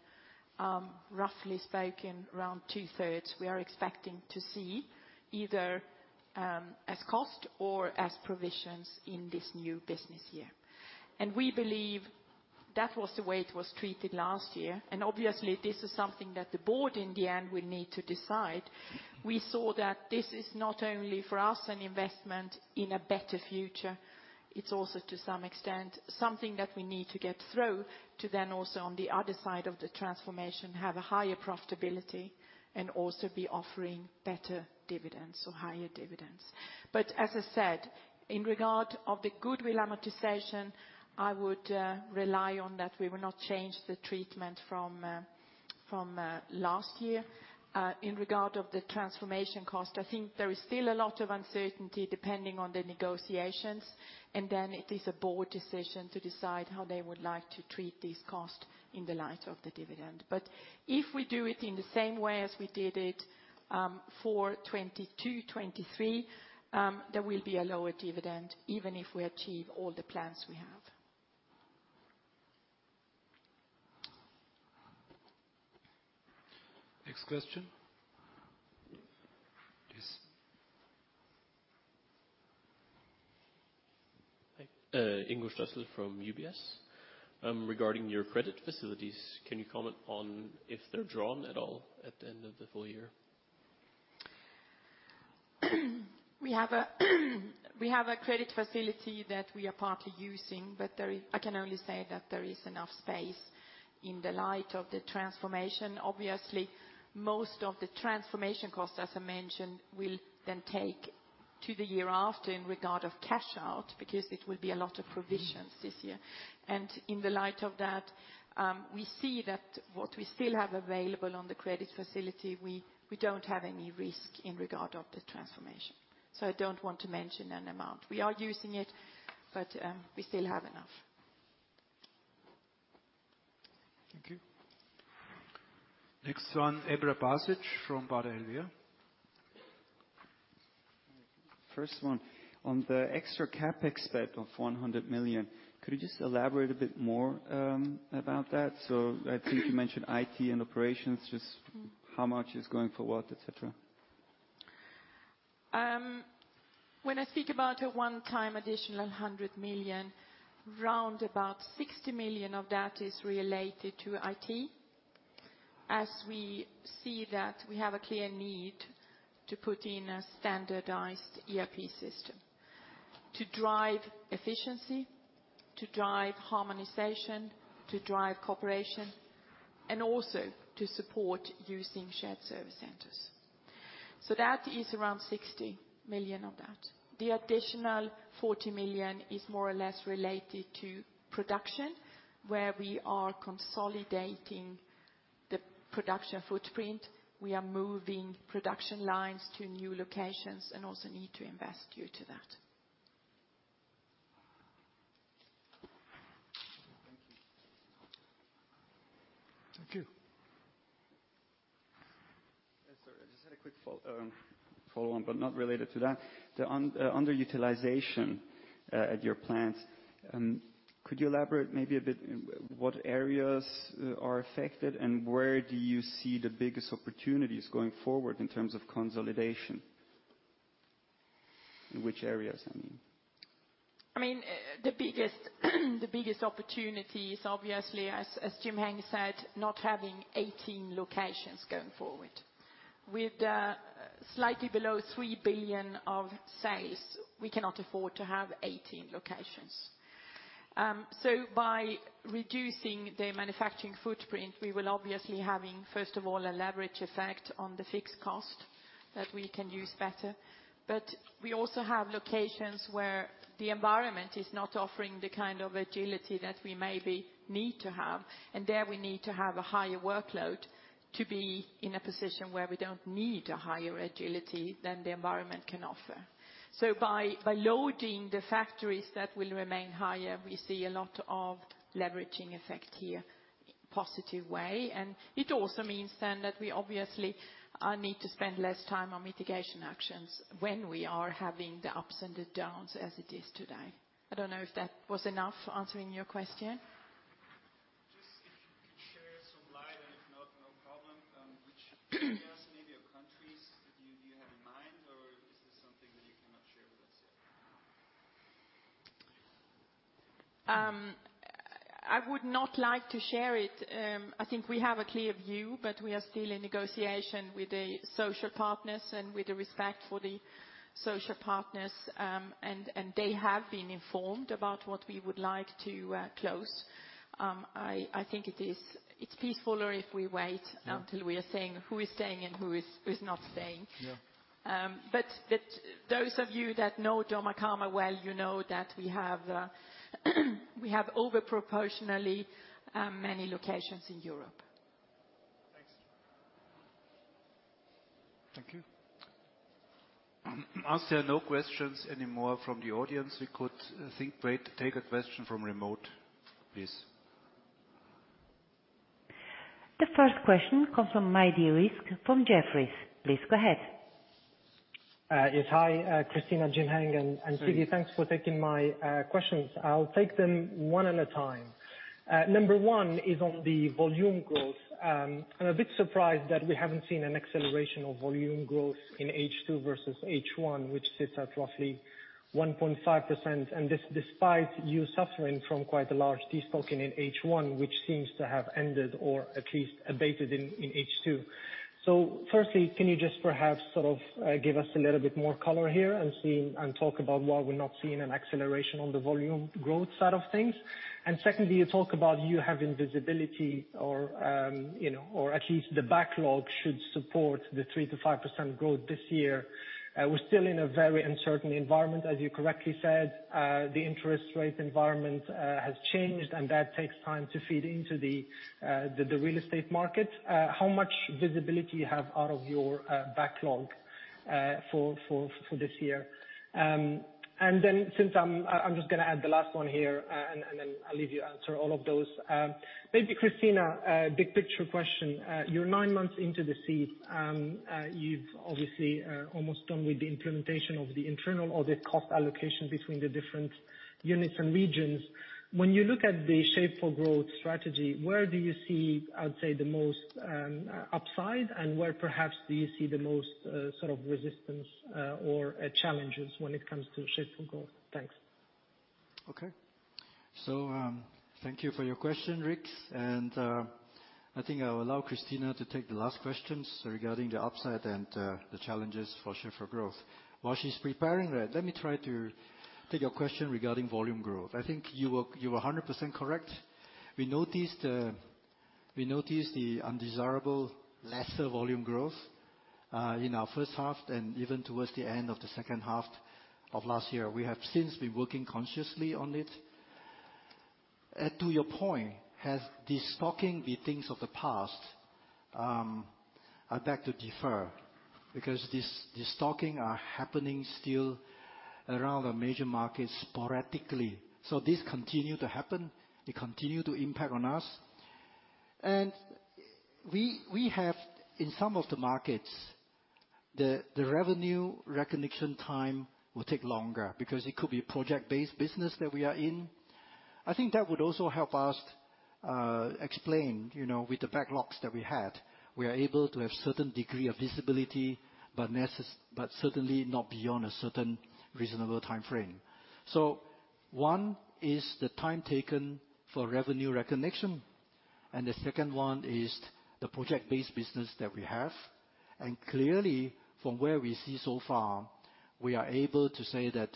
roughly spoken, around two-thirds, we are expecting to see either as cost or as provisions in this new business year. We believe that was the way it was treated last year, and obviously, this is something that the board, in the end, will need to decide. We saw that this is not only for us, an investment in a better future, it's also, to some extent, something that we need to get through to then also, on the other side of the transformation, have a higher profitability and also be offering better dividends or higher dividends. But as I said, in regard of the goodwill amortization, I would rely on that. We will not change the treatment from last year. In regard of the transformation cost, I think there is still a lot of uncertainty depending on the negotiations, and then it is a board decision to decide how they would like to treat this cost in the light of the dividend. But if we do it in the same way as we did it for 2022, 2023, there will be a lower dividend, even if we achieve all the plans we have. Next question? Yes. Hi, Ingo Stößel from UBS. Regarding your credit facilities, can you comment on if they're drawn at all at the end of the full year? We have a credit facility that we are partly using, but there is. I can only say that there is enough space in the light of the transformation. Obviously, most of the transformation costs, as I mentioned, will then take to the year after in regard of cash out, because it will be a lot of provisions this year. In the light of that, we see that what we still have available on the credit facility, we don't have any risk in regard of the transformation. So I don't want to mention an amount. We are using it, but we still have enough. Thank you. Next one, Emrah Basic from Baader Helvea. First one, on the extra CapEx spend of 100 million, could you just elaborate a bit more about that? I think you mentioned IT and operations. Just how much is going for what, et cetera. When I speak about a one-time additional 100 million, around 60 million of that is related to IT. As we see that we have a clear need to put in a standardized ERP system to drive efficiency, to drive harmonization, to drive cooperation, and also to support using shared service centers. So that is around 60 million of that. The additional 40 million is more or less related to production, where we are consolidating the production footprint. We are moving production lines to new locations and also need to invest due to that. Thank you. Yes, sorry, I just had a quick follow on, but not related to that. The underutilization at your plants, could you elaborate maybe a bit what areas are affected, and where do you see the biggest opportunities going forward in terms of consolidation? In which areas, I mean. I mean, the biggest, the biggest opportunity is obviously, as, as Jim-Heng said, not having 18 locations going forward. With, slightly below 3 billion of sales, we cannot afford to have 18 locations. So by reducing the manufacturing footprint, we will obviously having, first of all, a leverage effect on the fixed cost that we can use better. But we also have locations where the environment is not offering the kind of agility that we maybe need to have, and there we need to have a higher workload to be in a position where we don't need a higher agility than the environment can offer. So by, by loading the factories that will remain higher, we see a lot of leveraging effect here, positive way. And it also means then that we obviously need to spend less time on mitigation actions when we are having the ups and the downs as it is today. I don't know if that was enough answering your question? Just if you could shed some light, and if not, no problem. Which areas maybe or countries do you, do you have in mind, or is this something that you cannot share with us yet? I would not like to share it. I think we have a clear view, but we are still in negotiation with the social partners and with the respect for the social partners. And they have been informed about what we would like to close. I think it is peacefuller if we wait. Yeah until we are saying who is staying and who is not staying. Yeah. But those of you that know dormakaba well, you know that we have over proportionally many locations in Europe. Thanks. Thank you. As there are no questions anymore from the audience, we could, I think, wait to take a question from remote, please. The first question comes from Maidi Rizk from Jefferies. Please go ahead. Yes, hi, Christina, Jim-Heng. Hi and Siggy, thanks for taking my questions. I'll take them one at a time. Number one is on the volume growth. I'm a bit surprised that we haven't seen an acceleration of volume growth in H2 versus H1, which sits at roughly 1.5%, and this despite you suffering from quite a large destocking in H1, which seems to have ended or at least abated in H2. So firstly, can you just perhaps sort of give us a little bit more color here and talk about why we're not seeing an acceleration on the volume growth side of things? And secondly, you talk about you having visibility or, you know, or at least the backlog should support the 3%-5% growth this year. We're still in a very uncertain environment, as you correctly said. The interest rate environment has changed, and that takes time to feed into the real estate market. How much visibility you have out of your backlog for this year? And then since I'm just gonna add the last one here, and then I'll leave you answer all of those. Maybe Christina, a big picture question. You're nine months into the seat, you've obviously almost done with the implementation of the internal audit cost allocation between the different units and regions. When you look at the Shape4Growth strategy, where do you see, I'd say, the most upside, and where perhaps do you see the most sort of resistance or challenges when it comes to Shape4Growth? Thanks. Okay. So, thank you for your question, Rizk. And, I think I'll allow Christina to take the last questions regarding the upside and the challenges for Shape4Growth. While she's preparing that, let me try to take your question regarding volume growth. I think you are 100% correct. We noticed the undesirable lesser volume growth in our first half and even towards the end of the second half of last year. We have since been working consciously on it. To your point, has destocking the things of the past? I'd like to differ, because this destocking are happening still around the major markets sporadically. So this continue to happen, it continue to impact on us. We have, in some of the markets, the revenue recognition time will take longer because it could be project-based business that we are in. I think that would also help us explain, you know, with the backlogs that we had, we are able to have certain degree of visibility, but certainly not beyond a certain reasonable timeframe. So one is the time taken for revenue recognition, and the second one is the project-based business that we have. Clearly, from where we see so far, we are able to say that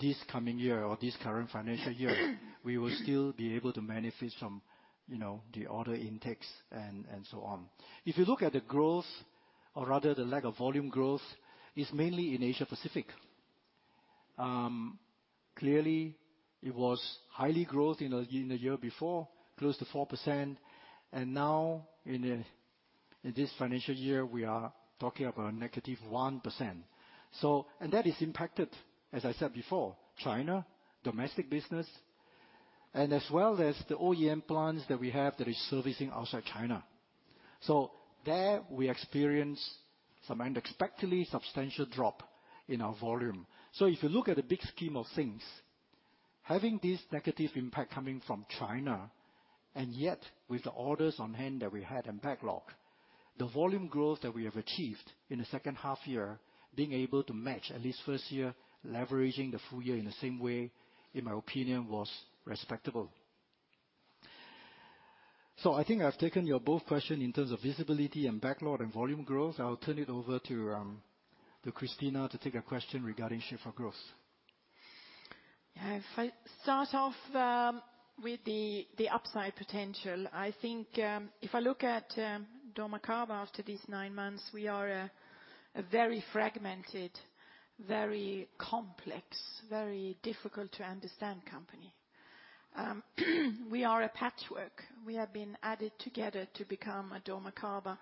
this coming year or this current financial year, we will still be able to benefit from, you know, the order intakes and so on. If you look at the growth, or rather the lack of volume growth, it's mainly in Asia Pacific. Clearly, it was high growth in the year before, close to 4%, and now in this financial year, we are talking about a -1%. So, and that is impacted, as I said before, China, domestic business, and as well as the OEM plants that we have that is servicing outside China. So there we experience some unexpectedly substantial drop in our volume. So if you look at the big scheme of things, having this negative impact coming from China, and yet with the orders on hand that we had and backlog, the volume growth that we have achieved in the second half year, being able to match at least first year, leveraging the full year in the same way, in my opinion, was respectable. So I think I've taken your both question in terms of visibility and backlog and volume growth. I'll turn it over to Christina to take a question regarding Shape4Growth. Yeah, if I start off with the upside potential, I think, if I look at dormakaba after these nine months, we are a very fragmented, very complex, very difficult to understand company. We are a patchwork. We have been added together to become a dormakaba,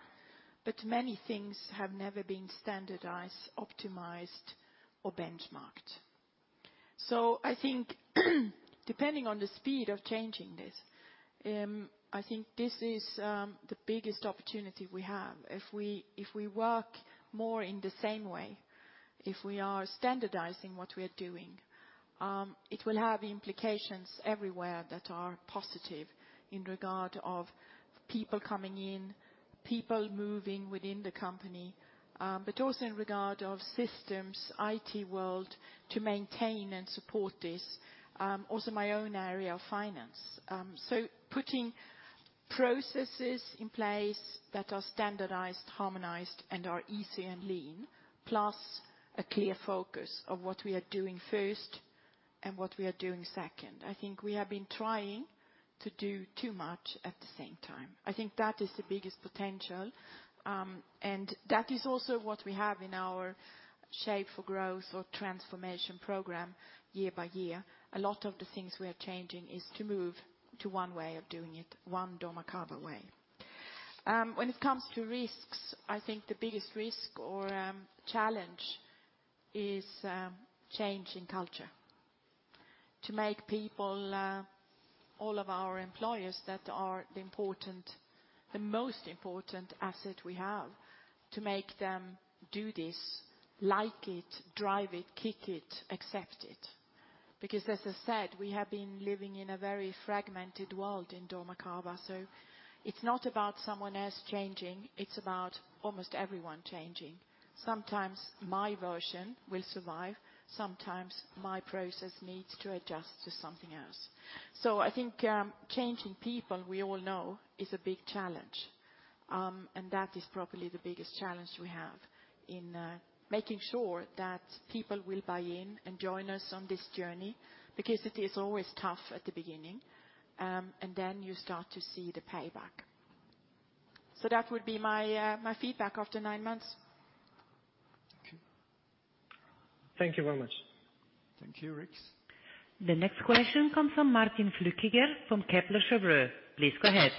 but many things have never been standardized, optimized, or benchmarked. So I think, depending on the speed of changing this, I think this is the biggest opportunity we have. If we work more in the same way, if we are standardizing what we are doing, it will have implications everywhere that are positive in regard of people coming in, people moving within the company, but also in regard of systems, IT world, to maintain and support this, also my own area of finance. So putting processes in place that are standardized, harmonized, and are easy and lean, plus a clear focus of what we are doing first and what we are doing second. I think we have been trying to do too much at the same time. I think that is the biggest potential, and that is also what we have in our Shape4Growth or transformation program year by year. A lot of the things we are changing is to move to one way of doing it, one dormakaba way. When it comes to risks, I think the biggest risk or challenge is changing culture. To make people, all of our employees that are the important, the most important asset we have, to make them do this, like it, drive it, kick it, accept it. Because as I said, we have been living in a very fragmented world in dormakaba, so it's not about someone else changing, it's about almost everyone changing. Sometimes my version will survive, sometimes my process needs to adjust to something else. So I think, changing people, we all know, is a big challenge. And that is probably the biggest challenge we have in making sure that people will buy in and join us on this journey, because it is always tough at the beginning, and then you start to see the payback. So that would be my, my feedback after nine months. Thank you. Thank you very much. Thank you, Rizk. The next question comes from Martin Flueckiger from Kepler Cheuvreux. Please go ahead.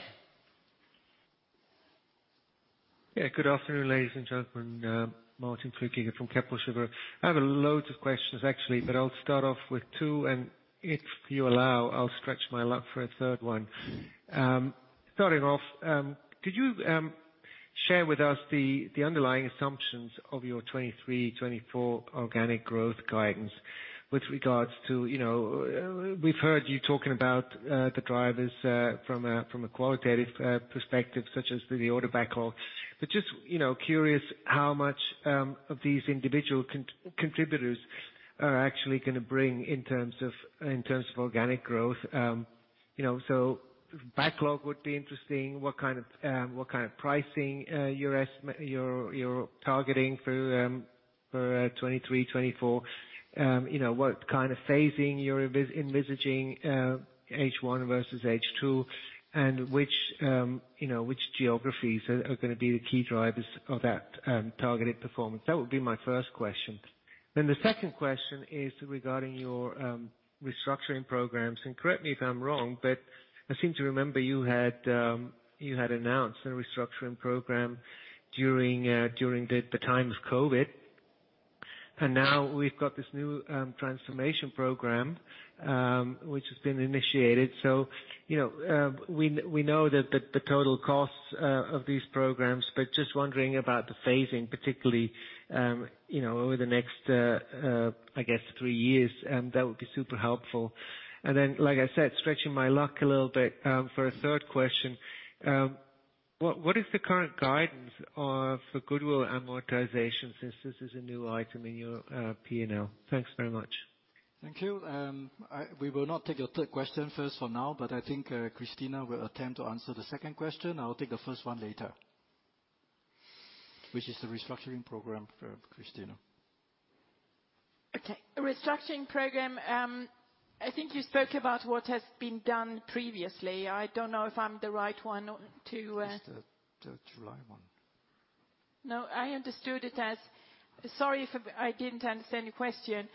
Yeah. Good afternoon, ladies and gentlemen, Martin Flueckiger from Kepler Cheuvreux. I have loads of questions, actually, but I'll start off with two, and if you allow, I'll stretch my luck for a third one. Starting off, could you share with us the underlying assumptions of your 2023, 2024 organic growth guidance with regards to, you know, we've heard you talking about the drivers from a qualitative perspective, such as the order backlog. But just, you know, curious how much of these individual contributors are actually gonna bring in terms of organic growth. You know, so backlog would be interesting. What kind of pricing you're targeting for 2023, 2024? You know, what kind of phasing you're envisaging, H1 versus H2, and which, you know, which geographies are gonna be the key drivers of that targeted performance? That would be my first question. Then the second question is regarding your restructuring programs, and correct me if I'm wrong, but I seem to remember you had announced a restructuring program during the time of COVID. And now we've got this new transformation program which has been initiated. So, you know, we know the total costs of these programs, but just wondering about the phasing, particularly, you know, over the next, I guess, three years, and that would be super helpful. Then, like I said, stretching my luck a little bit, for a third question: what is the current guidance of goodwill amortization, since this is a new item in your P&L? Thanks very much. Thank you. We will not take your third question first for now, but I think, Christina will attempt to answer the second question. I will take the first one later. Which is the restructuring program for Christina. Okay. Restructuring program, I think you spoke about what has been done previously. I don't know if I'm the right one to, It's the July one. No, I understood it as, sorry if I didn't understand your question.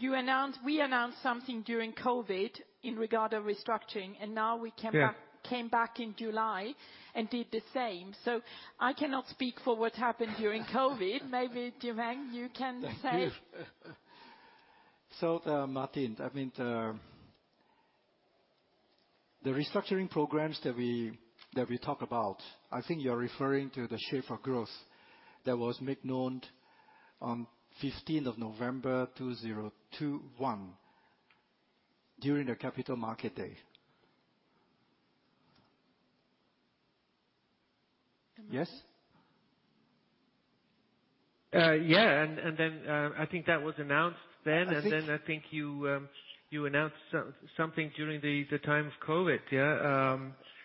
You announced, we announced something during COVID in regard of restructuring, and now we came back- Yeah. Came back in July and did the same. So I cannot speak for what happened during COVID. Maybe, Jim-Heng, you can say. Martin, I mean, the restructuring programs that we talk about, I think you're referring to the Shape4Growth that was made known on 15th of November 2021, during the Capital Markets Day. Yes? Yeah, and then, I think that was announced then. I think. And then I think you announced something during the time of COVID, yeah?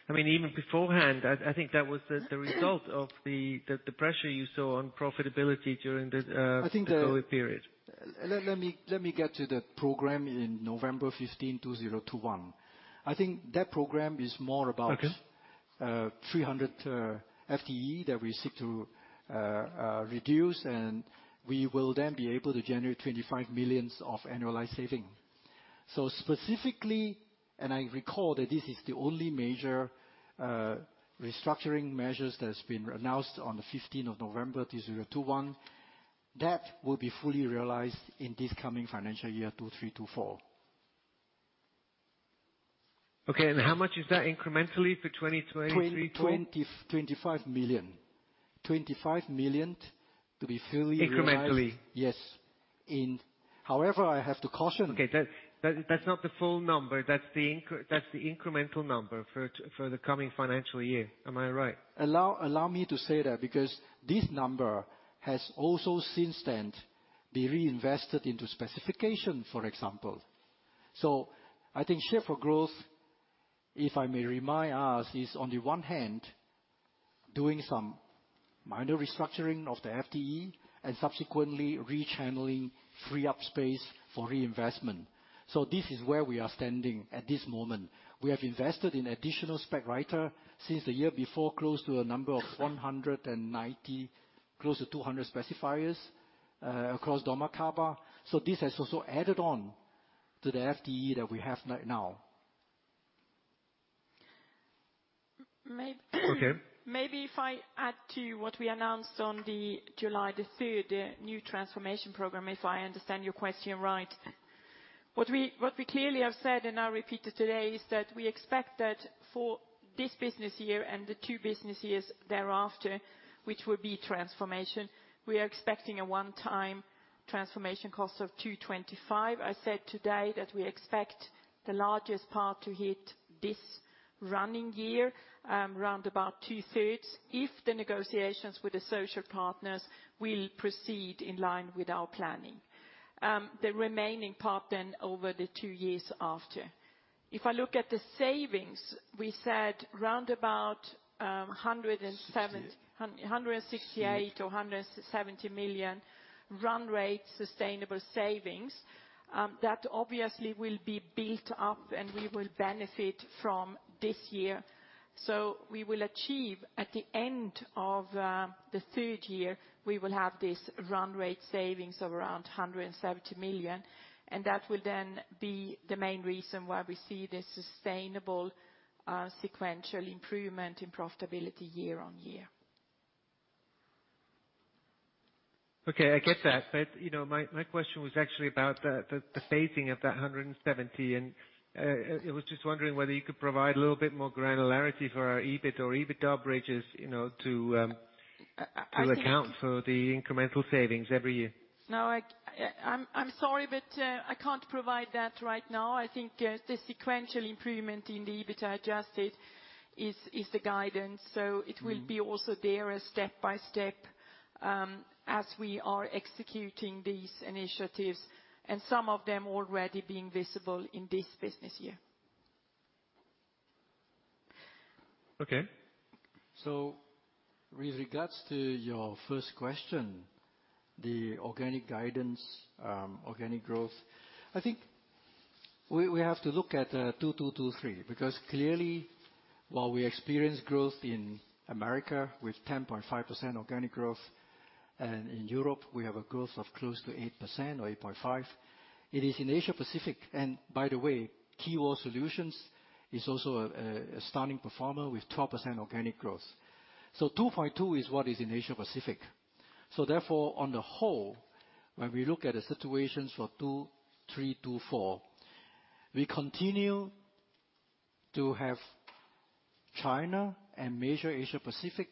I mean, even beforehand, I think that was the result of the pressure you saw on profitability during the. I think the. the COVID period. Let me, let me get to the program in November 15, 2021. I think that program is more about- Okay 300 FTE that we seek to reduce, and we will then be able to generate 25 million of annualized saving. So specifically, and I recall that this is the only major restructuring measures that has been announced on the fifteenth of November 2021, that will be fully realized in this coming financial year 2023/24. Okay, and how much is that incrementally for 2023/4? 25 million. 25 million to be fully. Incrementally? Yes. However, I have to caution. Okay, that's not the full number, that's the incremental number for the coming financial year. Am I right? Allow, allow me to say that, because this number has also since then, been reinvested into specification, for example. So I think Shape4Growth, if I may remind us, is on the one hand, doing some minor restructuring of the FTE and subsequently rechanneling free up space for reinvestment. So this is where we are standing at this moment. We have invested in additional spec writer since the year before, close to a number of 190, close to 200 specifiers, across dormakaba. So this has also added on to the FTE that we have right now. May. Okay. Maybe if I add to what we announced on July 3, new transformation program, if I understand your question right. What we, what we clearly have said and I repeat it today, is that we expect that for this business year and the two business years thereafter, which will be transformation, we are expecting a one-time transformation cost of 225 million. I said today that we expect the largest part to hit this running year, round about two-thirds, if the negotiations with the social partners will proceed in line with our planning. The remaining part then, over the two years after. If I look at the savings, we said round about, 107 million. CHF 68 million 168 million or 170 million run rate sustainable savings. That obviously will be built up, and we will benefit from this year. So we will achieve, at the end of the third year, we will have this run rate savings of around 170 million, and that will then be the main reason why we see this sustainable sequential improvement in profitability year-on-year. Okay, I get that. But, you know, my question was actually about the phasing of that 170 million, and I was just wondering whether you could provide a little bit more granularity for our EBIT or EBITDA bridges, you know, to. I think. To account for the incremental savings every year. No, I'm sorry, but I can't provide that right now. I think the sequential improvement in the EBITDA adjusted is the guidance. Mm-hmm. It will be also there, a step by step, as we are executing these initiatives, and some of them already being visible in this business year. Okay. So with regards to your first question, the organic guidance, organic growth, I think we, we have to look at 2023, because clearly, while we experience growth in America with 10.5% organic growth, and in Europe we have a growth of close to 8% or 8.5%, it is in Asia Pacific. And by the way, Keywall Solutions is also a, a stunning performer with 12% organic growth. So 2.2% is what is in Asia Pacific. So therefore, on the whole, when we look at the situations for 2023 to 2024, we continue to have China and major Asia Pacific,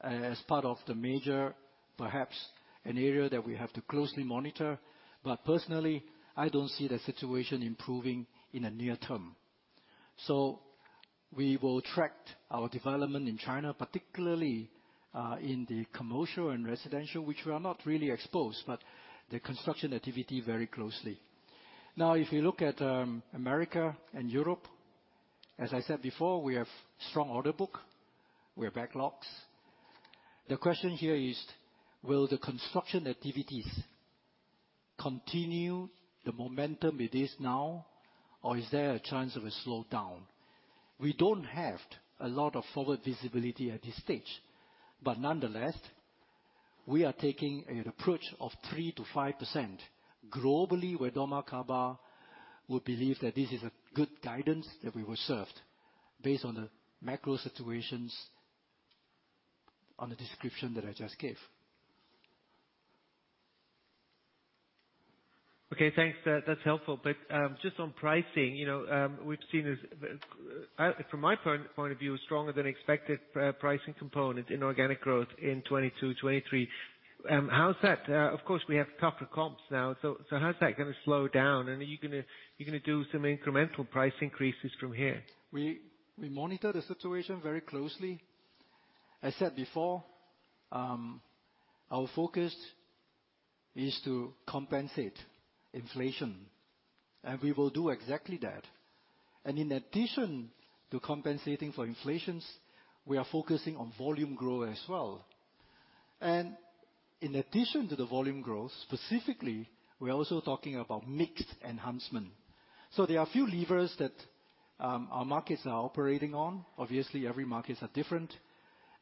as part of the major, perhaps an area that we have to closely monitor. But personally, I don't see the situation improving in the near term. So we will track our development in China, particularly, in the commercial and residential, which we are not really exposed, but the construction activity very closely. Now, if you look at, America and Europe, as I said before, we have strong order book, we have backlogs. The question here is: Will the construction activities continue the momentum it is now, or is there a chance of a slowdown? We don't have a lot of forward visibility at this stage, but nonetheless, we are taking an approach of 3%-5%. Globally, where dormakaba will believe that this is a good guidance that we will served based on the macro situations, on the description that I just gave. Okay, thanks. That's helpful. But just on pricing, you know, we've seen, from my point of view, stronger than expected pricing component in organic growth in 2022, 2023. Of course, we have tougher comps now, so how is that gonna slow down? And are you gonna do some incremental price increases from here? We monitor the situation very closely. I said before, our focus is to compensate inflation, and we will do exactly that. In addition to compensating for inflations, we are focusing on volume growth as well. In addition to the volume growth, specifically, we're also talking about mixed enhancement. There are few levers that our markets are operating on. Obviously, every markets are different,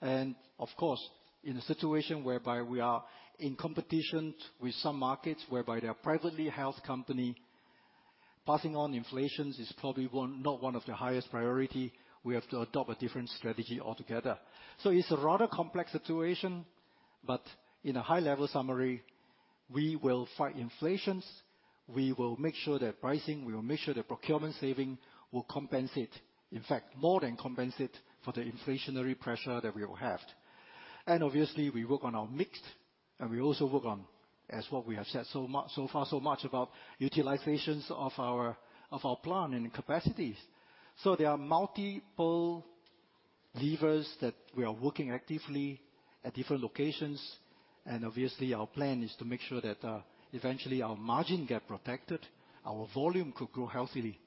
and of course, in a situation whereby we are in competition with some markets, whereby they are privately held company, passing on inflations is probably one- not one of the highest priority. We have to adopt a different strategy altogether. It's a rather complex situation, but in a high-level summary, we will fight inflations. We will make sure that pricing, we will make sure that procurement saving will compensate, in fact, more than compensate for the inflationary pressure that we will have. And obviously, we work on our mix, and we also work on, as what we have said, so far, so much about utilizations of our plant and capacities. So there are multiple levers that we are working actively at different locations, and obviously, our plan is to make sure that eventually, our margin get protected, our volume could grow healthily.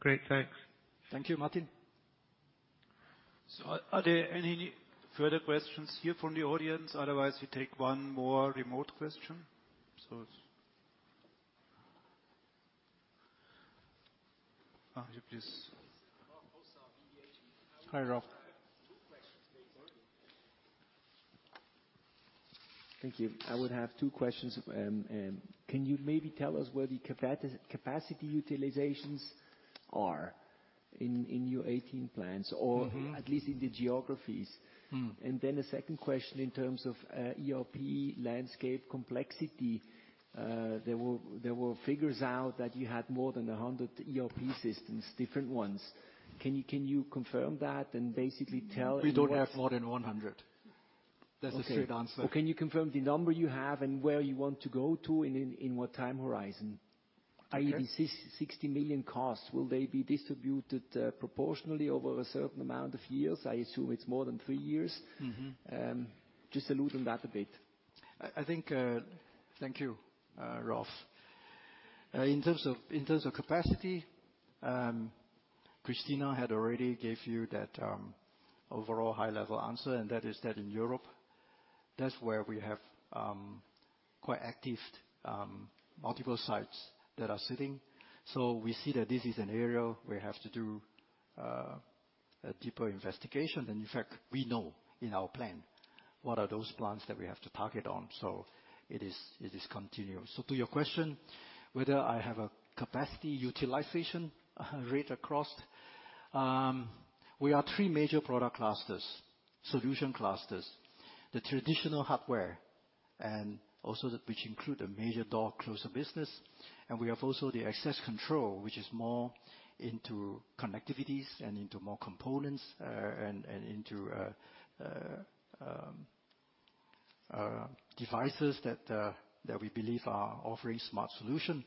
Great, thanks. Thank you, Martin. So, are there any further questions here from the audience? Otherwise, we take one more remote question. So. Ah, yeah, please. Hi, Rolf. Two questions, please. Thank you. I would have two questions. Can you maybe tell us where the capacity utilizations are in your 18 plants. Mm-hmm. Or at least in the geographies? Mm. And then the second question, in terms of ERP landscape complexity, there were figures out that you had more than 100 ERP systems, different ones. Can you confirm that and basically tell. We don't have more than 100 ERP. That's a straight answer. Okay. So can you confirm the number you have and where you want to go to, and in what time horizon?i.e., the 60 million costs, will they be distributed proportionally over a certain amount of years? I assume it's more than three years. Mm-hmm. Just allude on that a bit. I think, thank you, Rolf. In terms of capacity, Christina had already gave you that overall high-level answer, and that is that in Europe, that's where we have quite active multiple sites that are sitting. So we see that this is an area we have to do a deeper investigation. And in fact, we know in our plan what are those plans that we have to target on. So it is continuous. So to your question, whether I have a capacity utilization rate across. We are three major product clusters, solution clusters, the traditional hardware, and also that which include the major door closer business. We have also the access control, which is more into connectivities and into more components, and into devices that we believe are offering smart solution.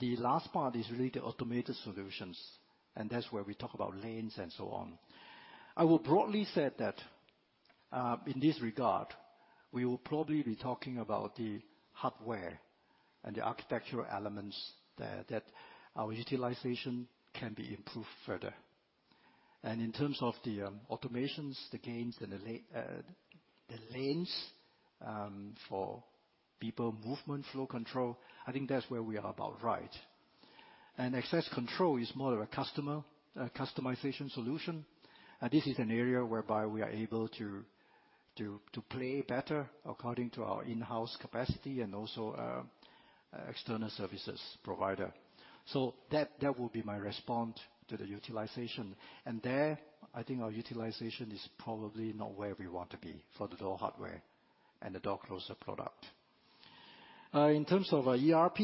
The last part is really the automated solutions, and that's where we talk about lanes and so on. I will broadly say that, in this regard, we will probably be talking about the hardware and the architectural elements there, that our utilization can be improved further. In terms of the automations, the gains and the lanes for people movement, flow control, I think that's where we are about right. Access control is more of a customer, a customization solution, and this is an area whereby we are able to play better according to our in-house capacity and also external services provider. So that, that would be my response to the utilization. And there, I think our utilization is probably not where we want to be for the door hardware and the door closer product. In terms of our ERP,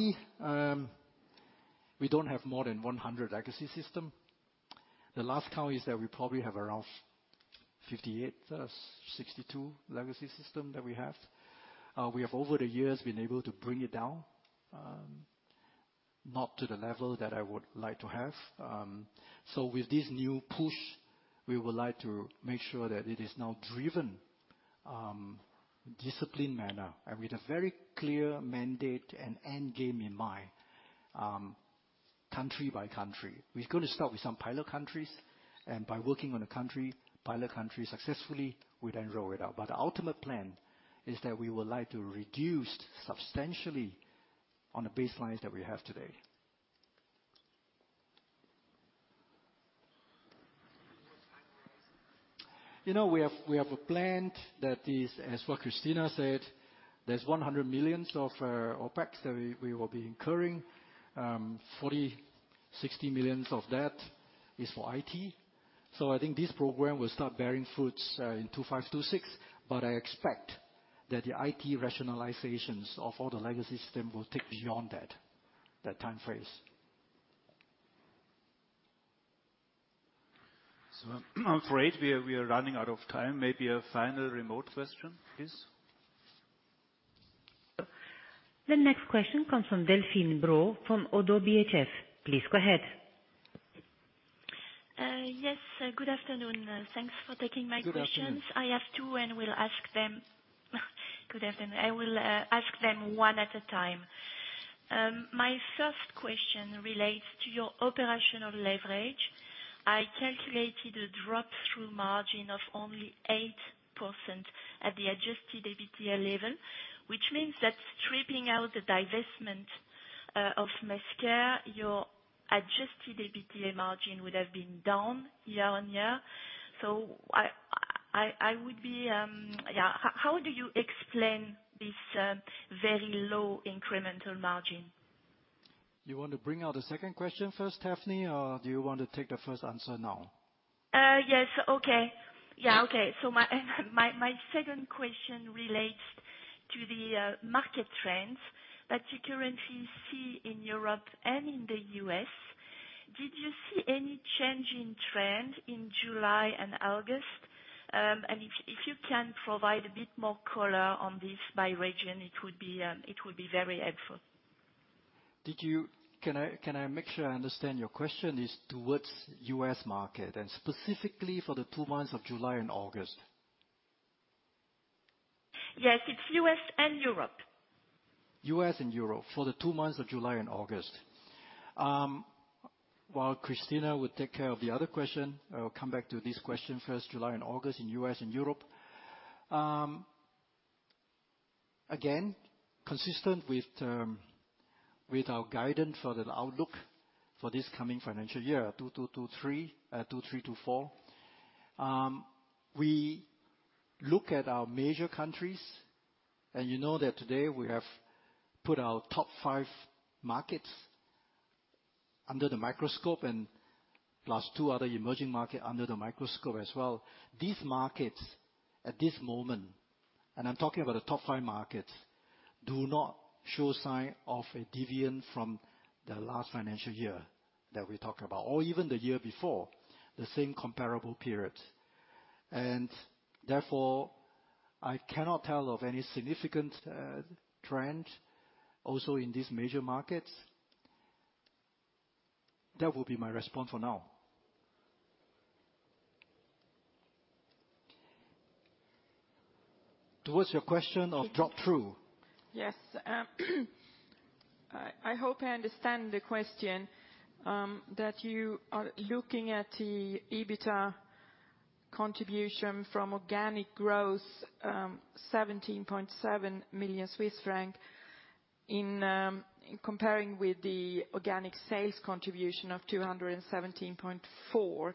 we don't have more than 100 legacy system. The last count is that we probably have around 58, 62 legacy system that we have. We have, over the years, been able to bring it down, not to the level that I would like to have. So with this new push, we would like to make sure that it is now driven, disciplined manner and with a very clear mandate and end game in mind. Country by country. We're going to start with some pilot countries, and by working on a country, pilot country successfully, we then roll it out. But the ultimate plan is that we would like to reduce substantially on the baselines that we have today. You know, we have a plan that is, as what Christina said, there's 100 million of OpEx that we will be incurring. 40 million, 60 million of that is for IT. So I think this program will start bearing fruits in 2025, 2026, but I expect that the IT rationalizations of all the legacy system will take beyond that time frame. I'm afraid we are running out of time. Maybe a final remote question, please. The next question comes from Delphine Brault, from ODDO BHF. Please go ahead. Yes, good afternoon. Thanks for taking my questions. Good afternoon. I have two and will ask them. Good afternoon. I will ask them one at a time. My first question relates to your operational leverage. I calculated a drop-through margin of only 8% at the adjusted EBITDA level, which means that stripping out the divestment of Mesker, your adjusted EBITDA margin would have been down year-on-year. So I would be. Yeah, how do you explain this very low incremental margin? You want to bring out the second question first, Delphine, or do you want to take the first answer now? Yes. Okay. Yeah, okay. So my second question relates to the market trends that you currently see in Europe and in the US. Did you see any change in trend in July and August? And if you can provide a bit more color on this by region, it would be very helpful. Can I, can I make sure I understand your question is toward U.S. market, and specifically for the two months of July and August? Yes, it's U.S. and Europe. U.S. and Europe for the two months of July and August. While Christina will take care of the other question, I will come back to this question. First, July and August in U.S. and Europe. Again, consistent with our guidance for the outlook for this coming financial year, 2022/23, 2023/24. We look at our major countries, and you know that today we have put our top five markets under the microscope, and plus two other emerging market under the microscope as well. These markets, at this moment, and I'm talking about the top five markets, do not show sign of a deviance from the last financial year that we talked about, or even the year before, the same comparable period. Therefore, I cannot tell of any significant trend also in these major markets. That would be my response for now. Towards your question of drop-through. Yes. I hope I understand the question that you are looking at the EBITDA contribution from organic growth, 17.7 million Swiss francs, in comparing with the organic sales contribution of 217.4 million.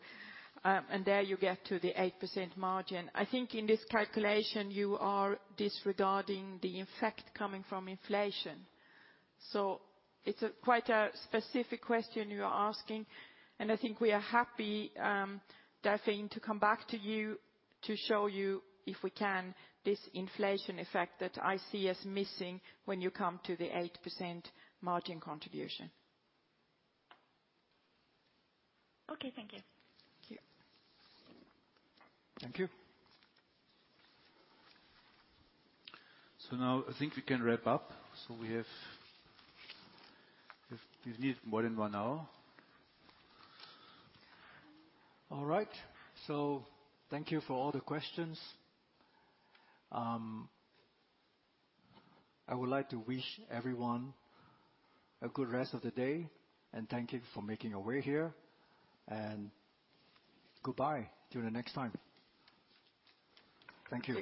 And there you get to the 8% margin. I think in this calculation, you are disregarding the effect coming from inflation. So it's a quite specific question you are asking, and I think we are happy, Delphine, to come back to you to show you, if we can, this inflation effect that I see as missing when you come to the 8% margin contribution. Okay. Thank you. Thank you. Thank you. So now I think we can wrap up, so we have. We need more than one hour. All right, so thank you for all the questions. I would like to wish everyone a good rest of the day, and thank you for making your way here. Goodbye till the next time. Thank you.